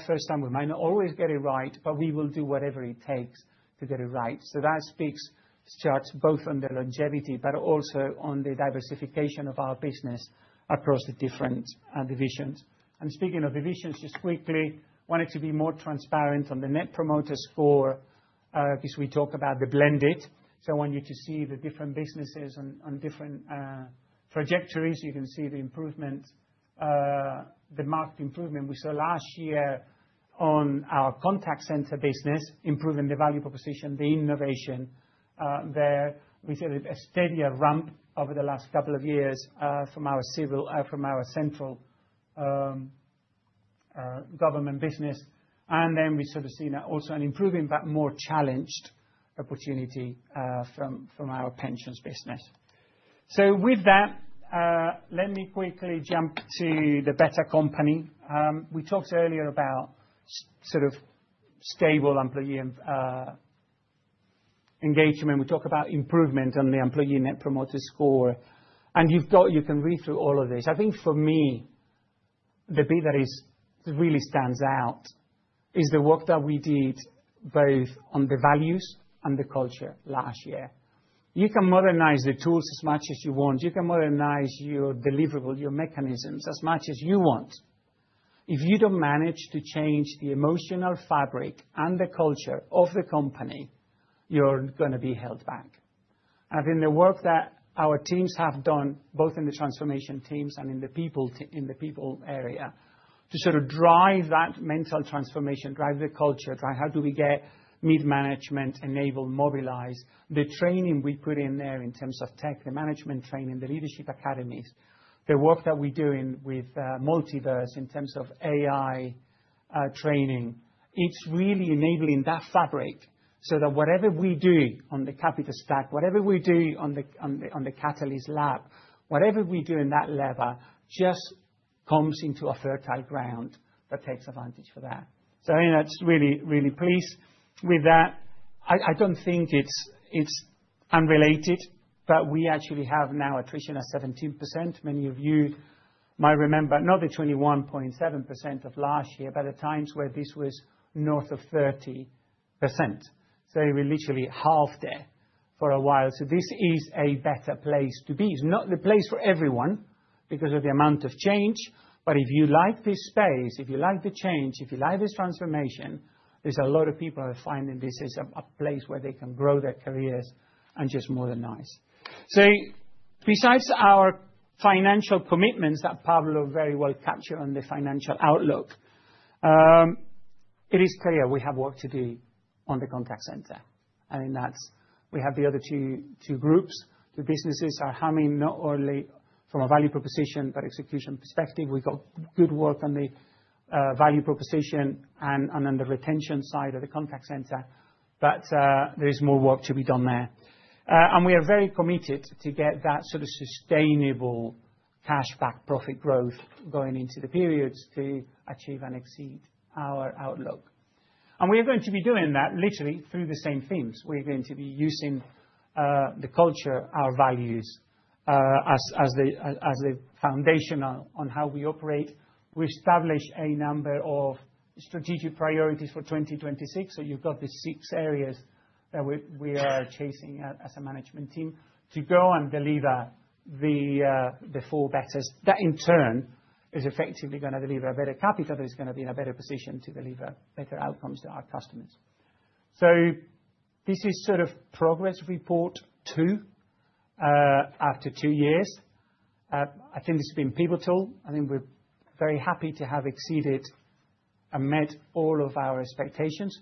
first time. We might not always get it right, but we will do whatever it takes to get it right. That speaks, starts both on the longevity, but also on the diversification of our business across the different divisions. Speaking of divisions, just quickly, wanted to be more transparent on the Net Promoter Score because we talk about the blended. I want you to see the different businesses on different trajectories. You can see the improvement, the marked improvement we saw last year on our Contact Centre business, improving the value proposition, the innovation, there. We see a steadier ramp over the last couple of years from our central government business. We sort of see now also an improving but more challenged opportunity from our pensions business. With that, let me quickly jump to the better company. We talked earlier about sort of stable employee engagement. We talked about improvement on the employee Net Promoter Score. You can read through all of this. I think for me, the bit that really stands out is the work that we did both on the values and the culture last year. You can modernize the tools as much as you want. You can modernize your deliverable, your mechanisms as much as you want. If you don't manage to change the emotional fabric and the culture of the company, you're gonna be held back. In the work that our teams have done, both in the transformation teams and in the people area, to sort of drive that mental transformation, drive the culture, drive how do we get mid-management enabled, mobilized. The training we put in there in terms of tech, the management training, the leadership academies, the work that we're doing with Multiverse in terms of AI training, it's really enabling that fabric so that whatever we do on the Capita stack, whatever we do on the Catalyst Lab, whatever we do in that level just comes into a fertile ground that takes advantage for that. You know, just really, really pleased with that. I don't think it's unrelated, but we actually have now attrition at 17%. Many of you might remember not the 21.7% of last year, but the times where this was north of 30%. We're literally half there for a while. This is a better place to be. It's not the place for everyone because of the amount of change. If you like this space, if you like the change, if you like this transformation, there's a lot of people are finding this is a place where they can grow their careers and just modernize. Besides our financial commitments that Pablo very well captured on the financial outlook, it is clear we have work to do on the Contact Centre. I mean, that's. We have the other two groups. The businesses are humming not only from a value proposition but execution perspective. We've got good work on the value proposition and on the retention side of the Contact Centre, but there is more work to be done there. We are very committed to get that sort of sustainable cash back profit growth going into the periods to achieve and exceed our outlook. We are going to be doing that literally through the same themes. We're going to be using the culture, our values, as the foundation on how we operate. We established a number of strategic priorities for 2026. You've got these six areas that we are chasing as a management team to go and deliver the Four Betters. That in turn is effectively gonna deliver a better Capita that is gonna be in a better position to deliver better outcomes to our customers. This is sort of progress report too after two years. I think it's been pivotal. I think we're very happy to have exceeded and met all of our expectations,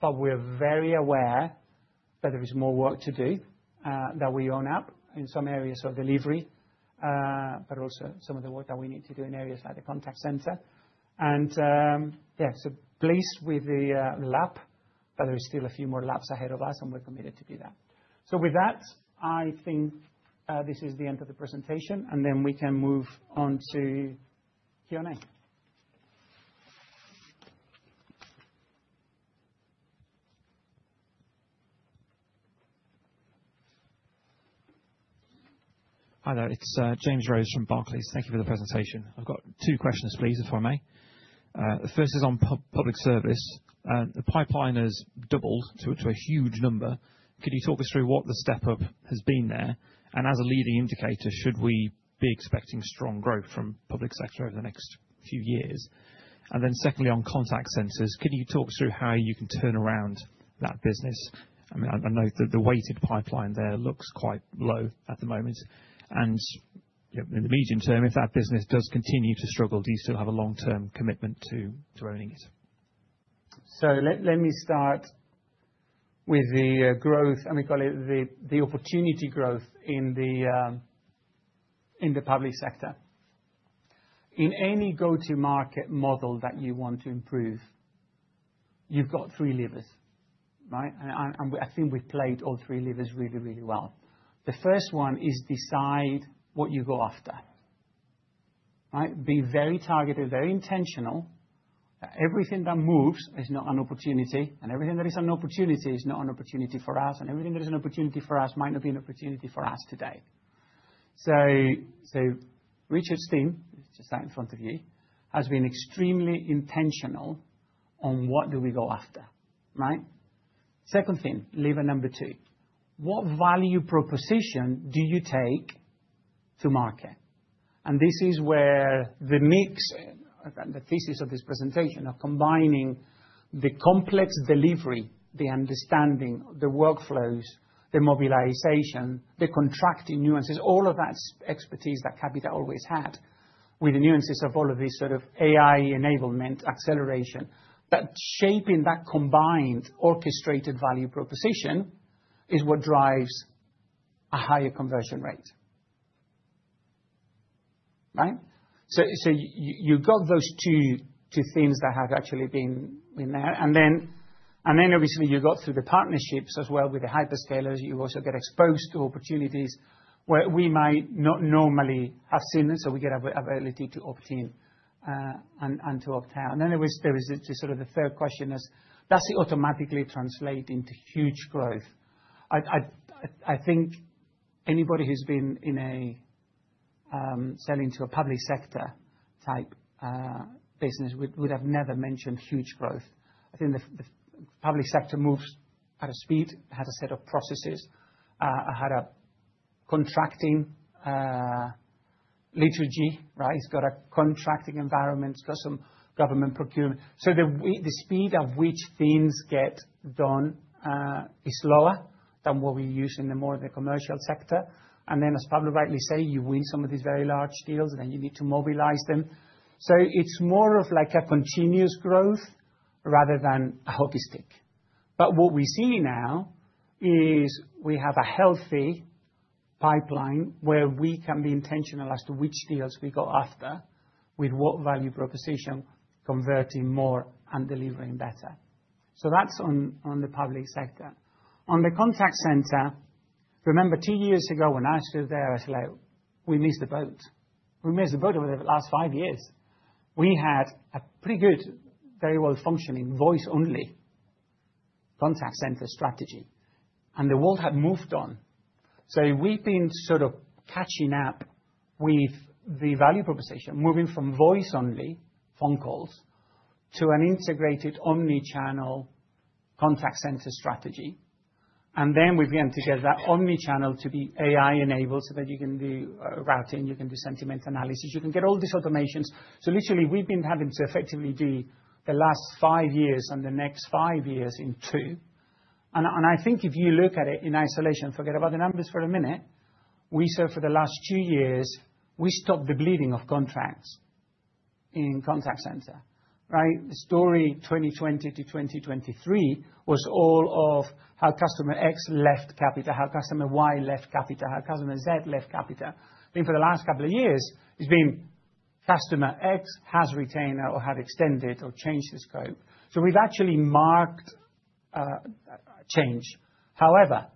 but we're very aware that there is more work to do, that we own up in some areas of delivery, but also some of the work that we need to do in areas like the Contact Centre. We're so pleased with the lap, but there's still a few more laps ahead of us, and we're committed to do that. With that, I think this is the end of the presentation, and then we can move on to Q&A. Hi there. It's James Rose from Barclays. Thank you for the presentation. I've got two questions please, if I may. The first is on Public Service. The pipeline has doubled to a huge number. Could you talk us through what the step-up has been there? And as a leading indicator, should we be expecting strong growth from Public Sector over the next few years? And then secondly, on Contact Centre, could you talk through how you can turn around that business? I mean, I know the weighted pipeline there looks quite low at the moment. And, you know, in the medium term, if that business does continue to struggle, do you still have a long-term commitment to owning it? Let me start with the growth, and we call it the opportunity growth in the Public Sector. In any go-to market model that you want to improve, you've got three levers, right? I think we've played all three levers really, really well. The first one is decide what you go after, right? Be very targeted, very intentional. Everything that moves is not an opportunity, and everything that is an opportunity is not an opportunity for us, and everything that is an opportunity for us might not be an opportunity for us today. Richard's team, who's just sat in front of me, has been extremely intentional on what do we go after, right? Second thing, lever number two. What value proposition do you take to market? This is where the mix, the thesis of this presentation, of combining the complex delivery, the understanding, the workflows, the mobilization, the contracting nuances, all of that expertise that Capita always had, with the nuances of all of this sort of AI enablement acceleration, that shaping that combined orchestrated value proposition is what drives a higher conversion rate, right? You've got those two things that have actually been in there. Then obviously, you've got through the partnerships as well with the hyperscalers. You also get exposed to opportunities where we might not normally have seen this, so we get ability to opt in, and to opt out. Then there is sort of the third question is, does it automatically translate into huge growth? I think anybody who's been in a selling to a Public Sector type business would have never mentioned huge growth. I think the Public Sector moves at a speed. It has a set of processes. It had a contracting litany, right? It's got a contracting environment. It's got some government procurement. The speed at which things get done is slower than what we use in the more of the commercial sector. Then, as Pablo rightly say, you win some of these very large deals, then you need to mobilize them. It's more of like a continuous growth rather than a hockey stick. What we see now is we have a healthy pipeline where we can be intentional as to which deals we go after with what value proposition, converting more and delivering better. That's on the Public Sector. On the Contact Centre, remember two years ago when I stood there, I said, "Well, we missed the boat." We missed the boat over the last five years. We had a pretty good, very well-functioning voice-only Contact Centre strategy, and the world had moved on. We've been sort of catching up with the value proposition, moving from voice-only phone calls to an integrated omnichannel Contact Centre strategy. Then we began to get that omnichannel to be AI-enabled so that you can do routing, you can do sentiment analysis, you can get all these automations. Literally, we've been having to effectively do the last five years and the next five years in two. I think if you look at it in isolation, forget about the numbers for a minute. We said for the last two years, we stopped the bleeding of contracts in Contact Centre, right? The story 2020 to 2023 was all of how customer X left Capita, how customer Y left Capita, how customer Z left Capita. I think for the last couple of years, it's been customer X has retained or have extended or changed the scope. We've actually marked change. However,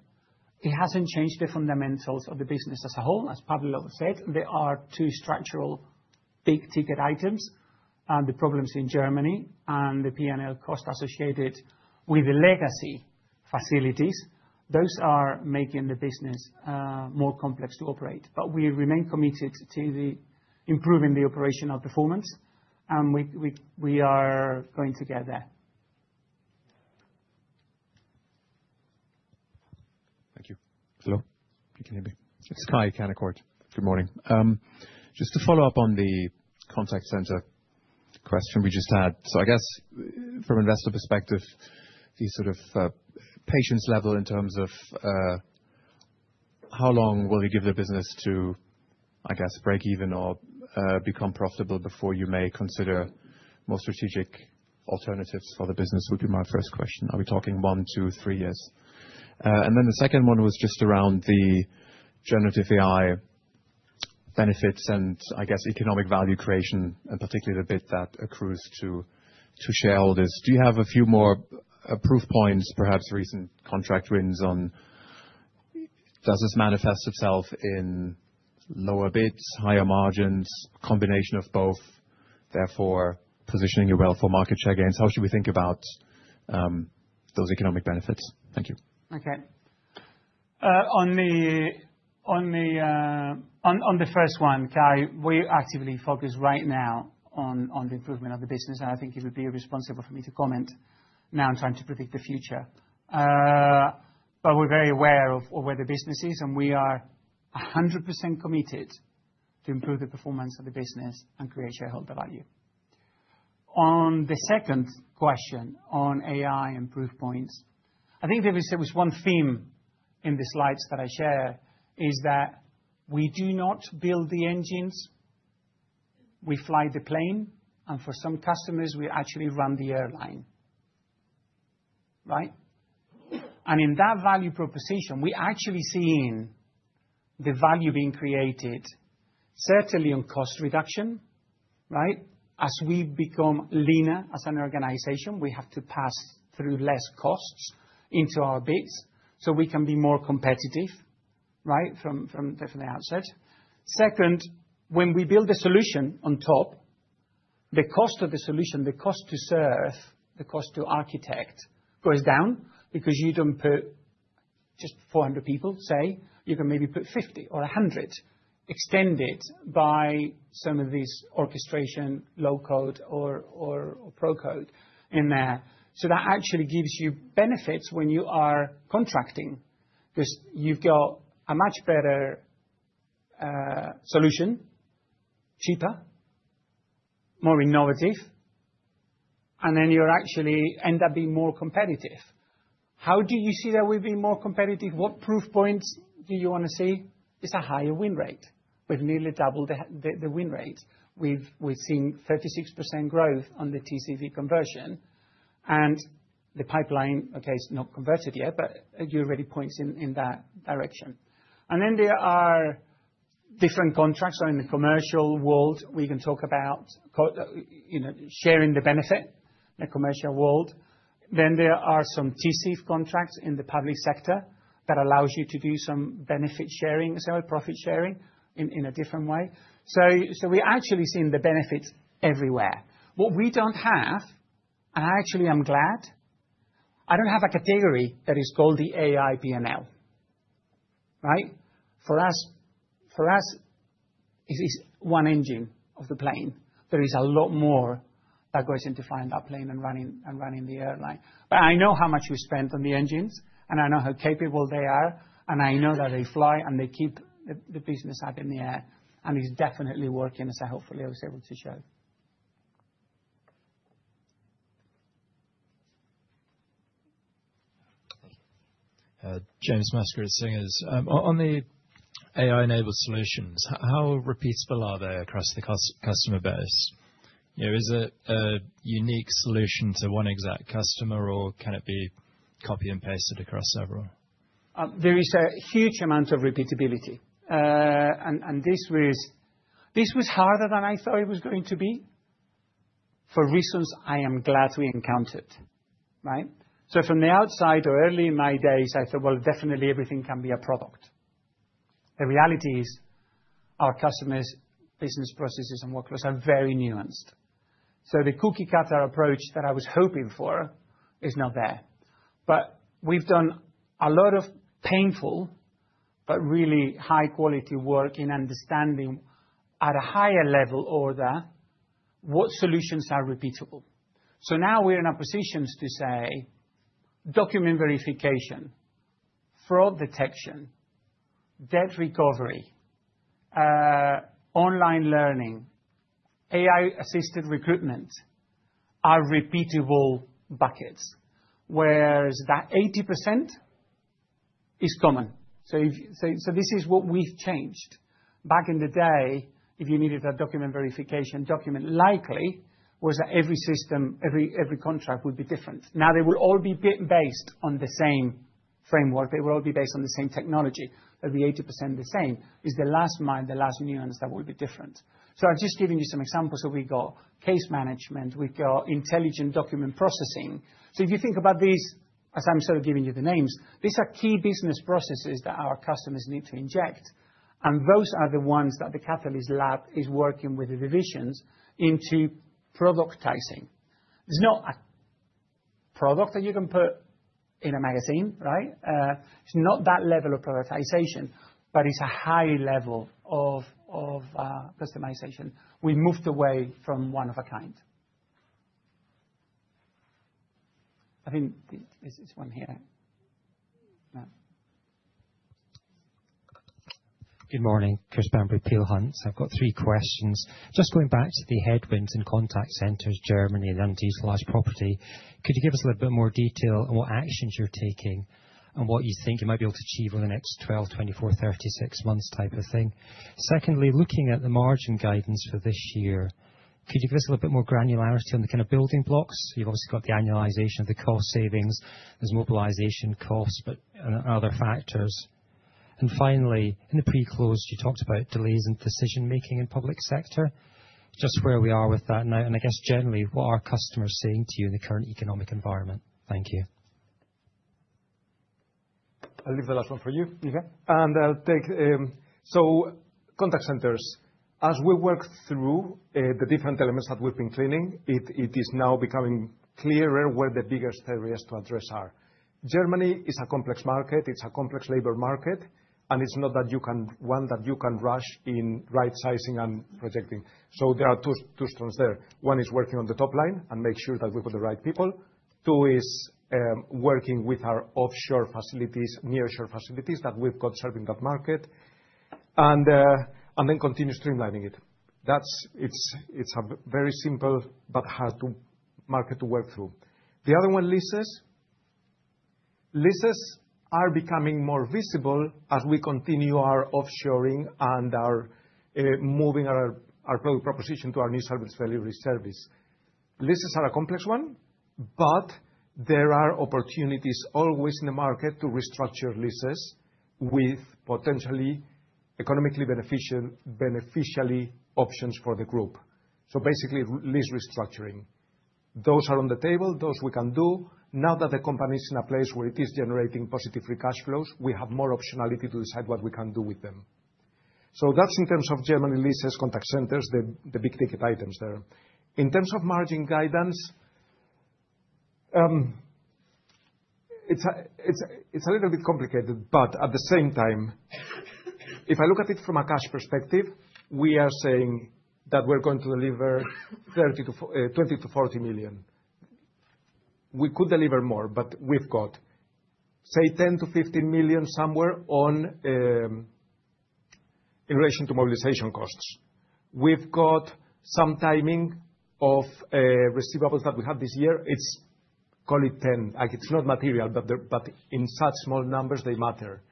it hasn't changed the fundamentals of the business as a whole. As Pablo said, there are two structural big-ticket items, and the problems in Germany and the P&L cost associated with the legacy facilities, those are making the business more complex to operate. We remain committed to the improving the operational performance, and we are going to get there. Thank you. Hello, you can hear me. It's Kai, Canaccord. Good morning. Just to follow up on the Contact Centre question we just had. I guess from an investor perspective, the sort of patience level in terms of how long will you give the business to, I guess, break even or become profitable before you may consider more strategic alternatives for the business, would be my first question. Are we talking one, two, three years? Then the second one was just around the generative AI benefits and I guess economic value creation, and particularly the bit that accrues to shareholders. Do you have a few more proof points, perhaps recent contract wins and does this manifest itself in lower bids, higher margins, combination of both, therefore positioning you well for market share gains? How should we think about those economic benefits? Thank you. Okay. On the first one, Kai, we actively focus right now on the improvement of the business. I think it would be irresponsible for me to comment now in trying to predict the future. We're very aware of where the business is, and we are 100% committed to improve the performance of the business and create shareholder value. On the second question on AI and proof points, I think there was one theme in the slides that I share, is that we do not build the engines. We fly the plane, and for some customers, we actually run the airline, right? In that value proposition, we're actually seeing the value being created, certainly on cost reduction, right? As we become leaner as an organization, we have to pass through less costs into our bids so we can be more competitive, right? From definitely the outset. Second, when we build a solution on top, the cost of the solution, the cost to serve, the cost to architect goes down because you don't put just 400 people, say. You can maybe put 50 or 100 extended by some of these orchestration, low-code or pro-code in there. So that actually gives you benefits when you are contracting, 'cause you've got a much better solution, cheaper, more innovative, and then you actually end up being more competitive. How do you see that we've been more competitive? What proof points do you wanna see? It's a higher win rate. We've nearly doubled the win rate. We've seen 36% growth on the TCV conversion and the pipeline, okay, it's not converted yet, but it already points in that direction. Then there are different contracts. In the commercial world, we can talk about, you know, sharing the benefit in the commercial world. Then there are some TCV contracts in the Public Sector that allows you to do some benefit sharing. Profit sharing in a different way. We're actually seeing the benefits everywhere. What we don't have, and I actually am glad, I don't have a category that is called the AI P&L, right? For us, it is one engine of the plane. There is a lot more that goes into flying that plane than running the airline. I know how much we spent on the engines, and I know how capable they are, and I know that they fly and they keep the business up in the air, and it's definitely working, as I hopefully was able to show. James Serjeant at Singer Capital Markets. On the AI-enabled solutions, how repeatable are they across the customer base? You know, is it a unique solution to one exact customer or can it be copy and pasted across several? There is a huge amount of repeatability. This was harder than I thought it was going to be for reasons I am glad we encountered, right? From the outside or early in my days, I thought, "Well, definitely everything can be a product." The reality is our customers' business processes and workflows are very nuanced. The cookie cutter approach that I was hoping for is not there. We've done a lot of painful but really high-quality work in understanding at a higher level order what solutions are repeatable. Now we're in a position to say document verification, fraud detection, debt recovery, online learning, AI-assisted recruitment are repeatable buckets. Whereas that 80% is common. This is what we've changed. Back in the day, if you needed a document verification document, likely was that every system, every contract would be different. Now they will all be based on the same framework. They will all be based on the same technology. It'll be 80% the same. It's the last mile, the last nuance that will be different. I've just given you some examples of we've got case management, we've got intelligent document processing. If you think about these, as I'm sort of giving you the names, these are key business processes that our customers need to inject, and those are the ones that the Catalyst Lab is working with the divisions into productizing. It's not a product that you can put in a magazine, right? It's not that level of productization, but it's a high level of customization. We moved away from one of a kind. I think there's one here. No. Good morning. Chris Bamberry, Peel Hunt. I've got three questions. Just going back to the headwinds in Contact Centre, Germany, and unused leased property, could you give us a little bit more detail on what actions you're taking and what you think you might be able to achieve in the next 12, 24, 36 months type of thing? Secondly, looking at the margin guidance for this year, could you give us a little bit more granularity on the kind of building blocks? You've obviously got the annualization of the cost savings. There's mobilization costs, but other factors. Finally, in the pre-close, you talked about delays in decision-making in Public Sector. Just where we are with that now, and I guess generally, what are customers saying to you in the current economic environment? Thank you. I'll leave the last one for you, Adolfo. I'll take Contact Centre, as we work through the different elements that we've been cleaning, it is now becoming clearer where the biggest areas to address are. Germany is a complex market, it's a complex labor market, and it's not one that you can rush in right sizing and projecting. There are two strands there. One is working on the top line and make sure that we've got the right people. Two is working with our offshore facilities, nearshore facilities that we've got serving that market, and then continue streamlining it. It's a very simple but hard to market to work through. The other one, leases. Leases are becoming more visible as we continue our offshoring and are moving our product proposition to our new service delivery service. Leases are a complex one, but there are opportunities always in the market to restructure leases with potentially economically beneficial options for the group. Basically, lease restructuring. Those are on the table. Those we can do. Now that the company is in a place where it is generating positive free cash flows, we have more optionality to decide what we can do with them. That's in terms of Germany leases, Contact Centre, the big-ticket items there. In terms of margin guidance, it's a little bit complicated, but at the same time, if I look at it from a cash perspective, we are saying that we're going to deliver 20 million-40 million. We could deliver more, but we've got, say, 10 million-15 million somewhere on in relation to mobilization costs. We've got some timing of receivables that we have this year. It's call it 10 million. Like, it's not material, but in such small numbers, they matter.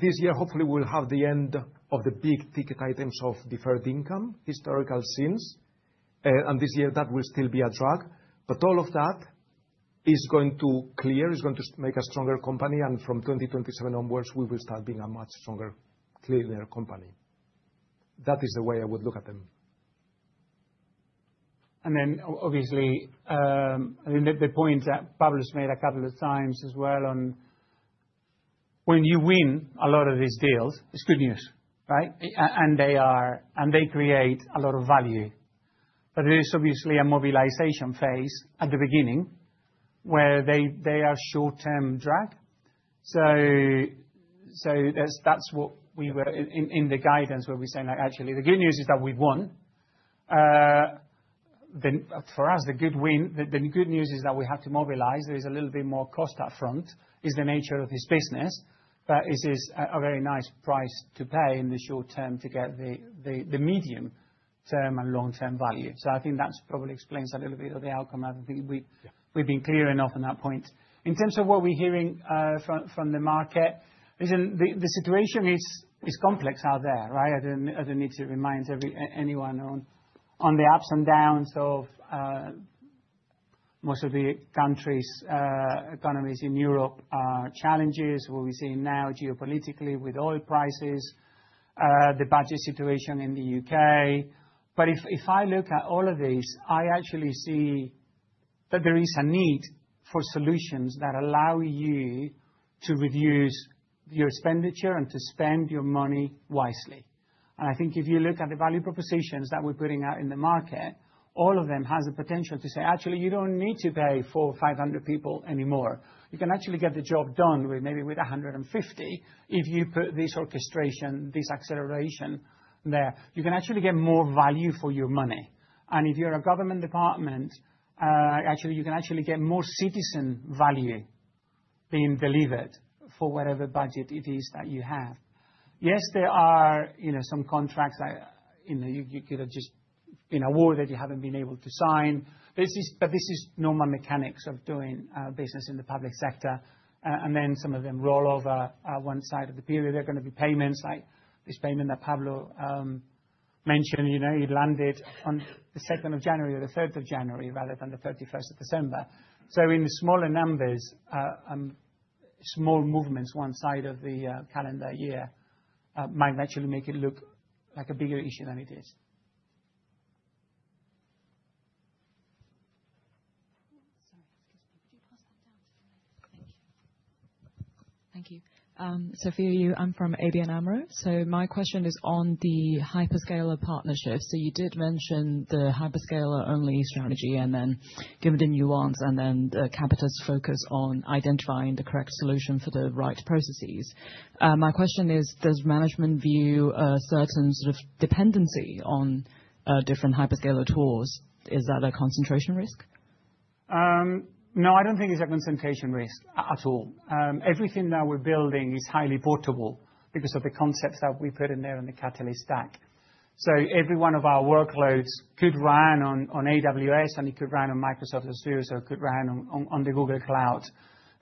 This year, hopefully we'll have the end of the big-ticket items of deferred income, historical provisions, and this year that will still be a drag, but all of that is going to clear. It's going to make a stronger company, and from 2027 onwards, we will start being a much stronger, clearer company. That is the way I would look at them. Obviously, I mean, the point that Pablo's made a couple of times as well on when you win a lot of these deals, it's good news, right? And they are, and they create a lot of value. But there is obviously a mobilization phase at the beginning where they are short-term drag. So that's what we were in the guidance where we're saying like, actually, the good news is that we've won. Then for us, the good news is that we have to mobilize. There is a little bit more cost up front, is the nature of this business, but it is a very nice price to pay in the short term to get the medium term and long-term value. So I think that's probably explains a little bit of the outcome. I think we've. Yeah. We've been clear enough on that point. In terms of what we're hearing from the market, listen, the situation is complex out there, right? I don't need to remind anyone of the ups and downs of most of the countries' economies in Europe, challenges what we're seeing now geopolitically with oil prices, the budget situation in the U.K. If I look at all of these, I actually see that there is a need for solutions that allow you to reduce your expenditure and to spend your money wisely. I think if you look at the value propositions that we're putting out in the market, all of them has the potential to say, "Actually, you don't need to pay 400 or 500 people anymore. You can actually get the job done with maybe 150 if you put this orchestration, this acceleration there. You can actually get more value for your money. If you're a government department, actually, you can actually get more citizen value being delivered for whatever budget it is that you have. Yes, there are, you know, some contracts that, you know, you could have just been awarded, you haven't been able to sign. This is normal mechanics of doing business in the Public Sector. Then some of them roll over end of the period. There are gonna be payments like this payment that Pablo mentioned, you know. It landed on the second of January or the third of January rather than the thirty-first of December. In smaller numbers, small movements on one side of the calendar year might actually make it look like a bigger issue than it is. Sorry. Excuse me. Could you pass that down to me? Thank you. Sophia Yu. I'm from ABN AMRO. My question is on the hyperscaler partnerships. You did mention the hyperscaler-only strategy, and then give it a nuance and then, Capita's focus on identifying the correct solution for the right processes. My question is, does management view a certain sort of dependency on different hyperscaler tools? Is that a concentration risk? No, I don't think it's a concentration risk at all. Everything that we're building is highly portable because of the concepts that we put in there in the Catalyst stack. Every one of our workloads could run on AWS, and it could run on Microsoft Azure, it could run on the Google Cloud.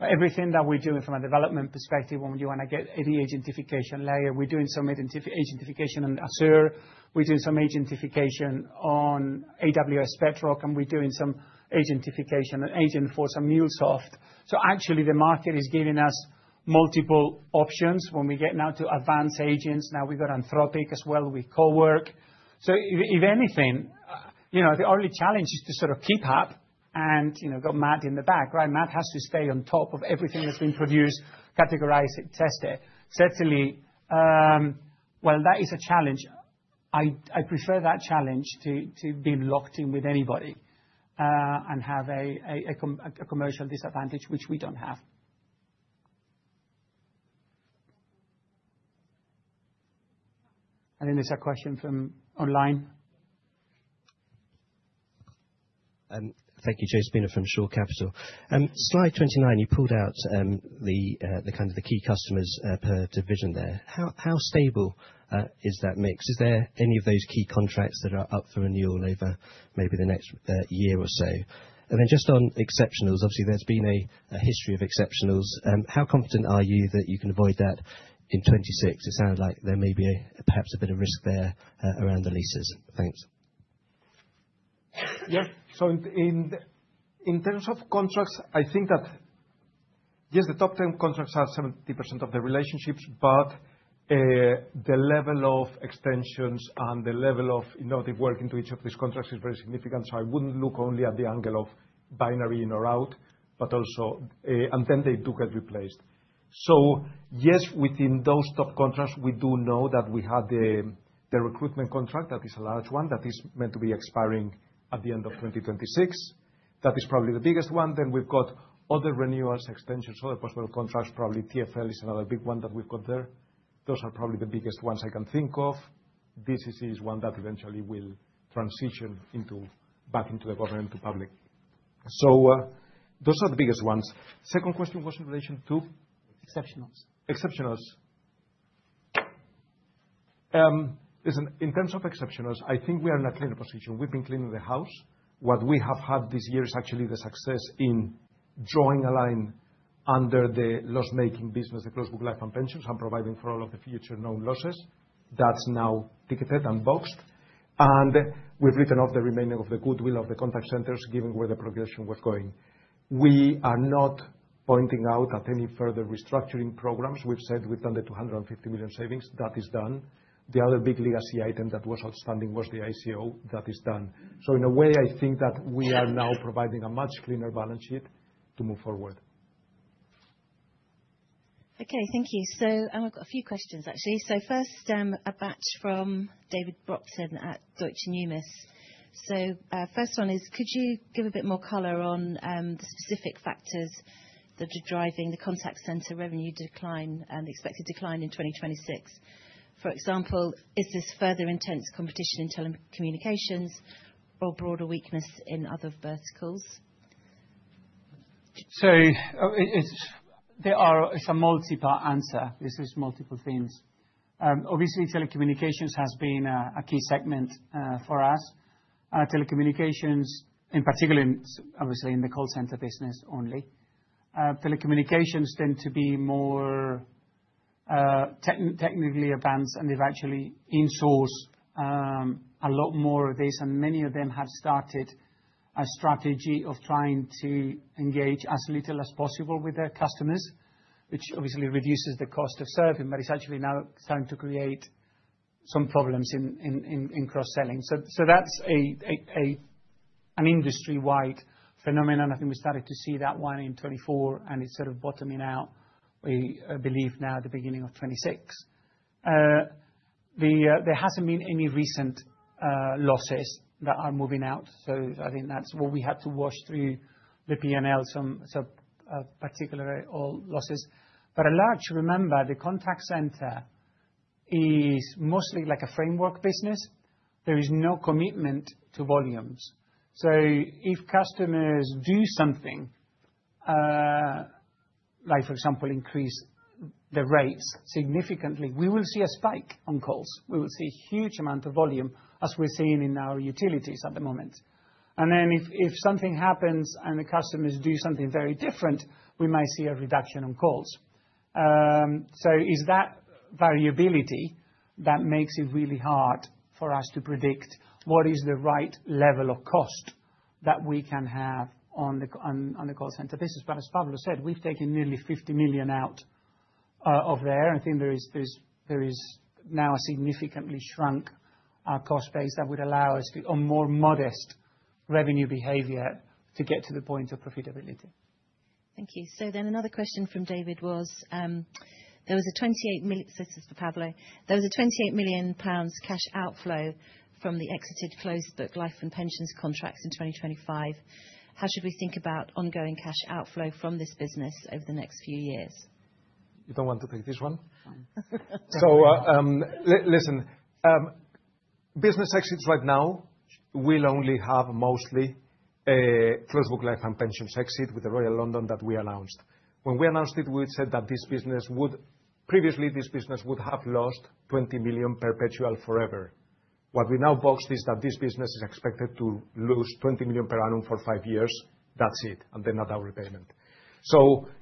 Everything that we're doing from a development perspective when you wanna get any agentification layer, we're doing some agentification on Azure, we're doing some agentification on AWS Bedrock, and we're doing some agentification on MuleSoft. Actually, the market is giving us multiple options when we get now to advanced agents. Now we've got Anthropic as well, we co-work. If anything, you know, the only challenge is to sort of keep up and, you know, got Matt in the back, right? Matt has to stay on top of everything that's been produced, categorize it, test it. Certainly, while that is a challenge, I prefer that challenge to be locked in with anybody and have a commercial disadvantage, which we don't have. I think there's a question from online. Thank you. Joe Spooner from Shore Capital. Slide 29, you pulled out the kind of key customers per division there. How stable is that mix? Is there any of those key contracts that are up for renewal over maybe the next year or so? Then just on exceptionals, obviously, there's been a history of exceptionals. How confident are you that you can avoid that in 2026? It sounded like there may be perhaps a bit of risk there around the leases. Thanks. Yeah. In terms of contracts, I think that, yes, the top 10 contracts have 70% of the relationships, but the level of extensions and the level of, you know, the work into each of these contracts is very significant. I wouldn't look only at the angle of binary in or out, but also. They do get replaced. Yes, within those top contracts, we do know that we have the recruitment contract. That is a large one that is meant to be expiring at the end of 2026. That is probably the biggest one. Then we've got other renewals, extensions, other possible contracts, probably TfL is another big one that we've got there. Those are probably the biggest ones I can think of. DCC is one that eventually will transition into, back into the government, to public. Those are the biggest ones. Second question was in relation to? Exceptionals. Exceptionals. Listen, in terms of exceptionals, I think we are in a cleaner position. We've been cleaning the house. What we have had this year is actually the success in drawing a line under the loss-making business, the closed book life and pensions, and providing for all of the future known losses. That's now ticketed and boxed. We've written off the remaining of the goodwill of the Contact Centre, given where the progression was going. We are not embarking on any further restructuring programs. We've said we've done the 250 million savings. That is done. The other big legacy item that was outstanding was the ICO. That is done. In a way, I think that we are now providing a much cleaner balance sheet to move forward. Okay, thank you. I've got a few questions, actually. First, a batch from David Brockton at Deutsche Numis. First one is, could you give a bit more color on the specific factors that are driving the Contact Centre revenue decline and the expected decline in 2026? For example, is this further intense competition in telecommunications or broader weakness in other verticals? It's a multi-part answer. This is multiple things. Obviously telecommunications has been a key segment for us. Telecommunications, in particular, obviously, in the call centre business only, tend to be more technically advanced, and they've actually insourced a lot more of this. Many of them have started a strategy of trying to engage as little as possible with their customers, which obviously reduces the cost of serving, but it's actually now starting to create some problems in cross-selling. That's an industry-wide phenomenon. I think we started to see that one in 2024, and it's sort of bottoming out, we believe, now the beginning of 2026. There hasn't been any recent losses that are moving out, so I think that's what we had to wash through the P&L particular old losses. By and large, remember, the Contact Centre is mostly like a framework business. There is no commitment to volumes. If customers do something like for example, increase the rates significantly, we will see a spike in calls. We will see huge amount of volume, as we're seeing in our utilities at the moment. If something happens and the customers do something very different, we might see a reduction in calls. It's that variability that makes it really hard for us to predict what is the right level of cost that we can have on the Contact Centre business. As Pablo said, we've taken nearly 50 million out of there. I think there is now a significantly shrunk cost base that would allow us a more modest revenue behavior to get to the point of profitability. Thank you. Another question from David was, there was a 28 million pounds cash outflow from the exited closed book life and pensions contracts in 2025. This is for Pablo. How should we think about ongoing cash outflow from this business over the next few years? You don't want to take this one? Fine. Business exits right now will only have mostly closed book life and pensions exit with the Royal London that we announced. When we announced it, we said that this business would previously have lost 20 million perpetual forever. What we now book is that this business is expected to lose 20 million per annum for five years. That's it, and then another repayment.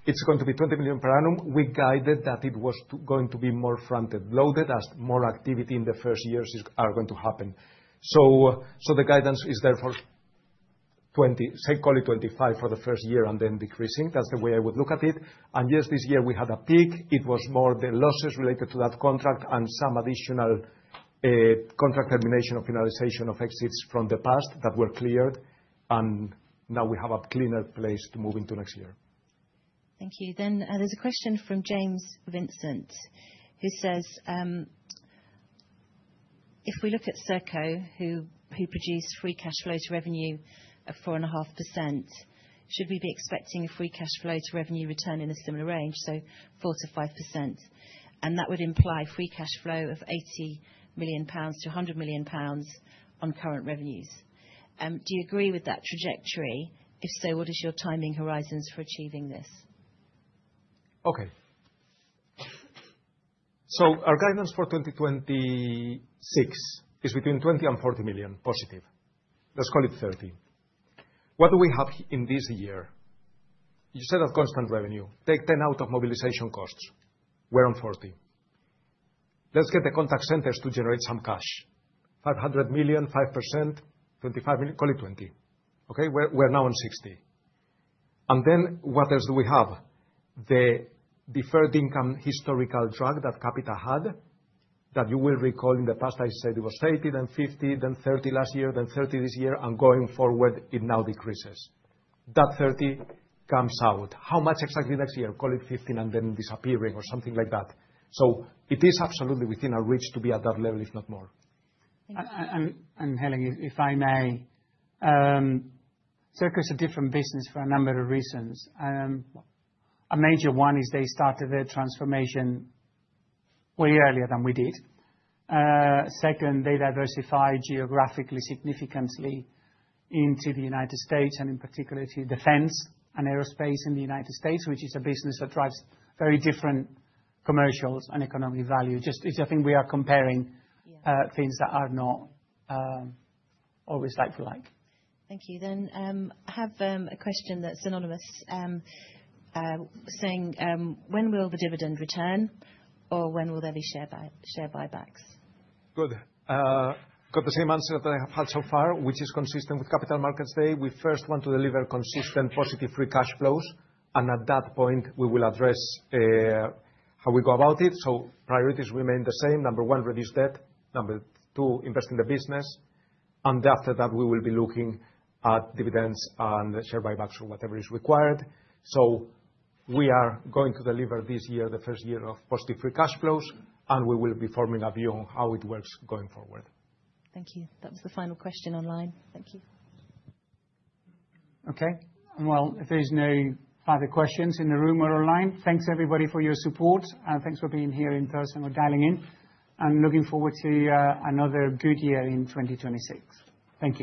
It's going to be 20 million per annum. We guided that it was going to be more front-end loaded as more activity in the first years are going to happen. The guidance is therefore 20, say, call it 25 for the first year and then decreasing. That's the way I would look at it. Yes, this year we had a peak. It was more the losses related to that contract and some additional contract termination or finalization of exits from the past that were cleared, and now we have a cleaner place to move into next year. Thank you. There's a question from James Vincent who says, "If we look at Serco, who produce free cash flow to revenue of 4.5%, should we be expecting a free cash flow to revenue return in a similar range, so 4%-5%? And that would imply free cash flow of 80 million-100 million pounds on current revenues. Do you agree with that trajectory? If so, what is your timing horizons for achieving this? Our guidance for 2026 is between 20 million and 40 million positive. Let's call it 30 million. What do we have in this year? You set up constant revenue, take 10 million out of mobilization costs. We're on 40 million. Let's get the Contact Centre to generate some cash. 500 million, 5%, 25 million, call it 20 million. Okay? We're now on 60 million. What else do we have? The deferred income historical drag that Capita had, that you will recall in the past, I said it was 80 million, then 50 million, then 30 million last year, then 30 million this year, and going forward it now decreases. That 30 million comes out. How much exactly next year? Call it 15 million and then disappearing or something like that. It is absolutely within our reach to be at that level, if not more. Thank you. Helen, if I may, Serco's a different business for a number of reasons. A major one is they started their transformation way earlier than we did. Second, they diversified geographically significantly into the United States and in particular to defense and aerospace in the United States, which is a business that drives very different commercials and economic value. Just, it's a thing we are comparing- Yeah. things that are not always like for like. Thank you. I have a question that's anonymous, saying, "When will the dividend return or when will there be share buybacks? Good. Got the same answer that I have had so far, which is consistent with capital markets today. We first want to deliver consistent positive free cash flows, and at that point, we will address how we go about it. Priorities remain the same. Number one, reduce debt. Number two, invest in the business. After that, we will be looking at dividends and share buybacks or whatever is required. We are going to deliver this year, the first year of positive free cash flows, and we will be forming a view on how it works going forward. Thank you. That was the final question online. Thank you. Okay. Well, if there's no further questions in the room or online, thanks everybody for your support and thanks for being here in person or dialing in, and looking forward to another good year in 2026. Thank you.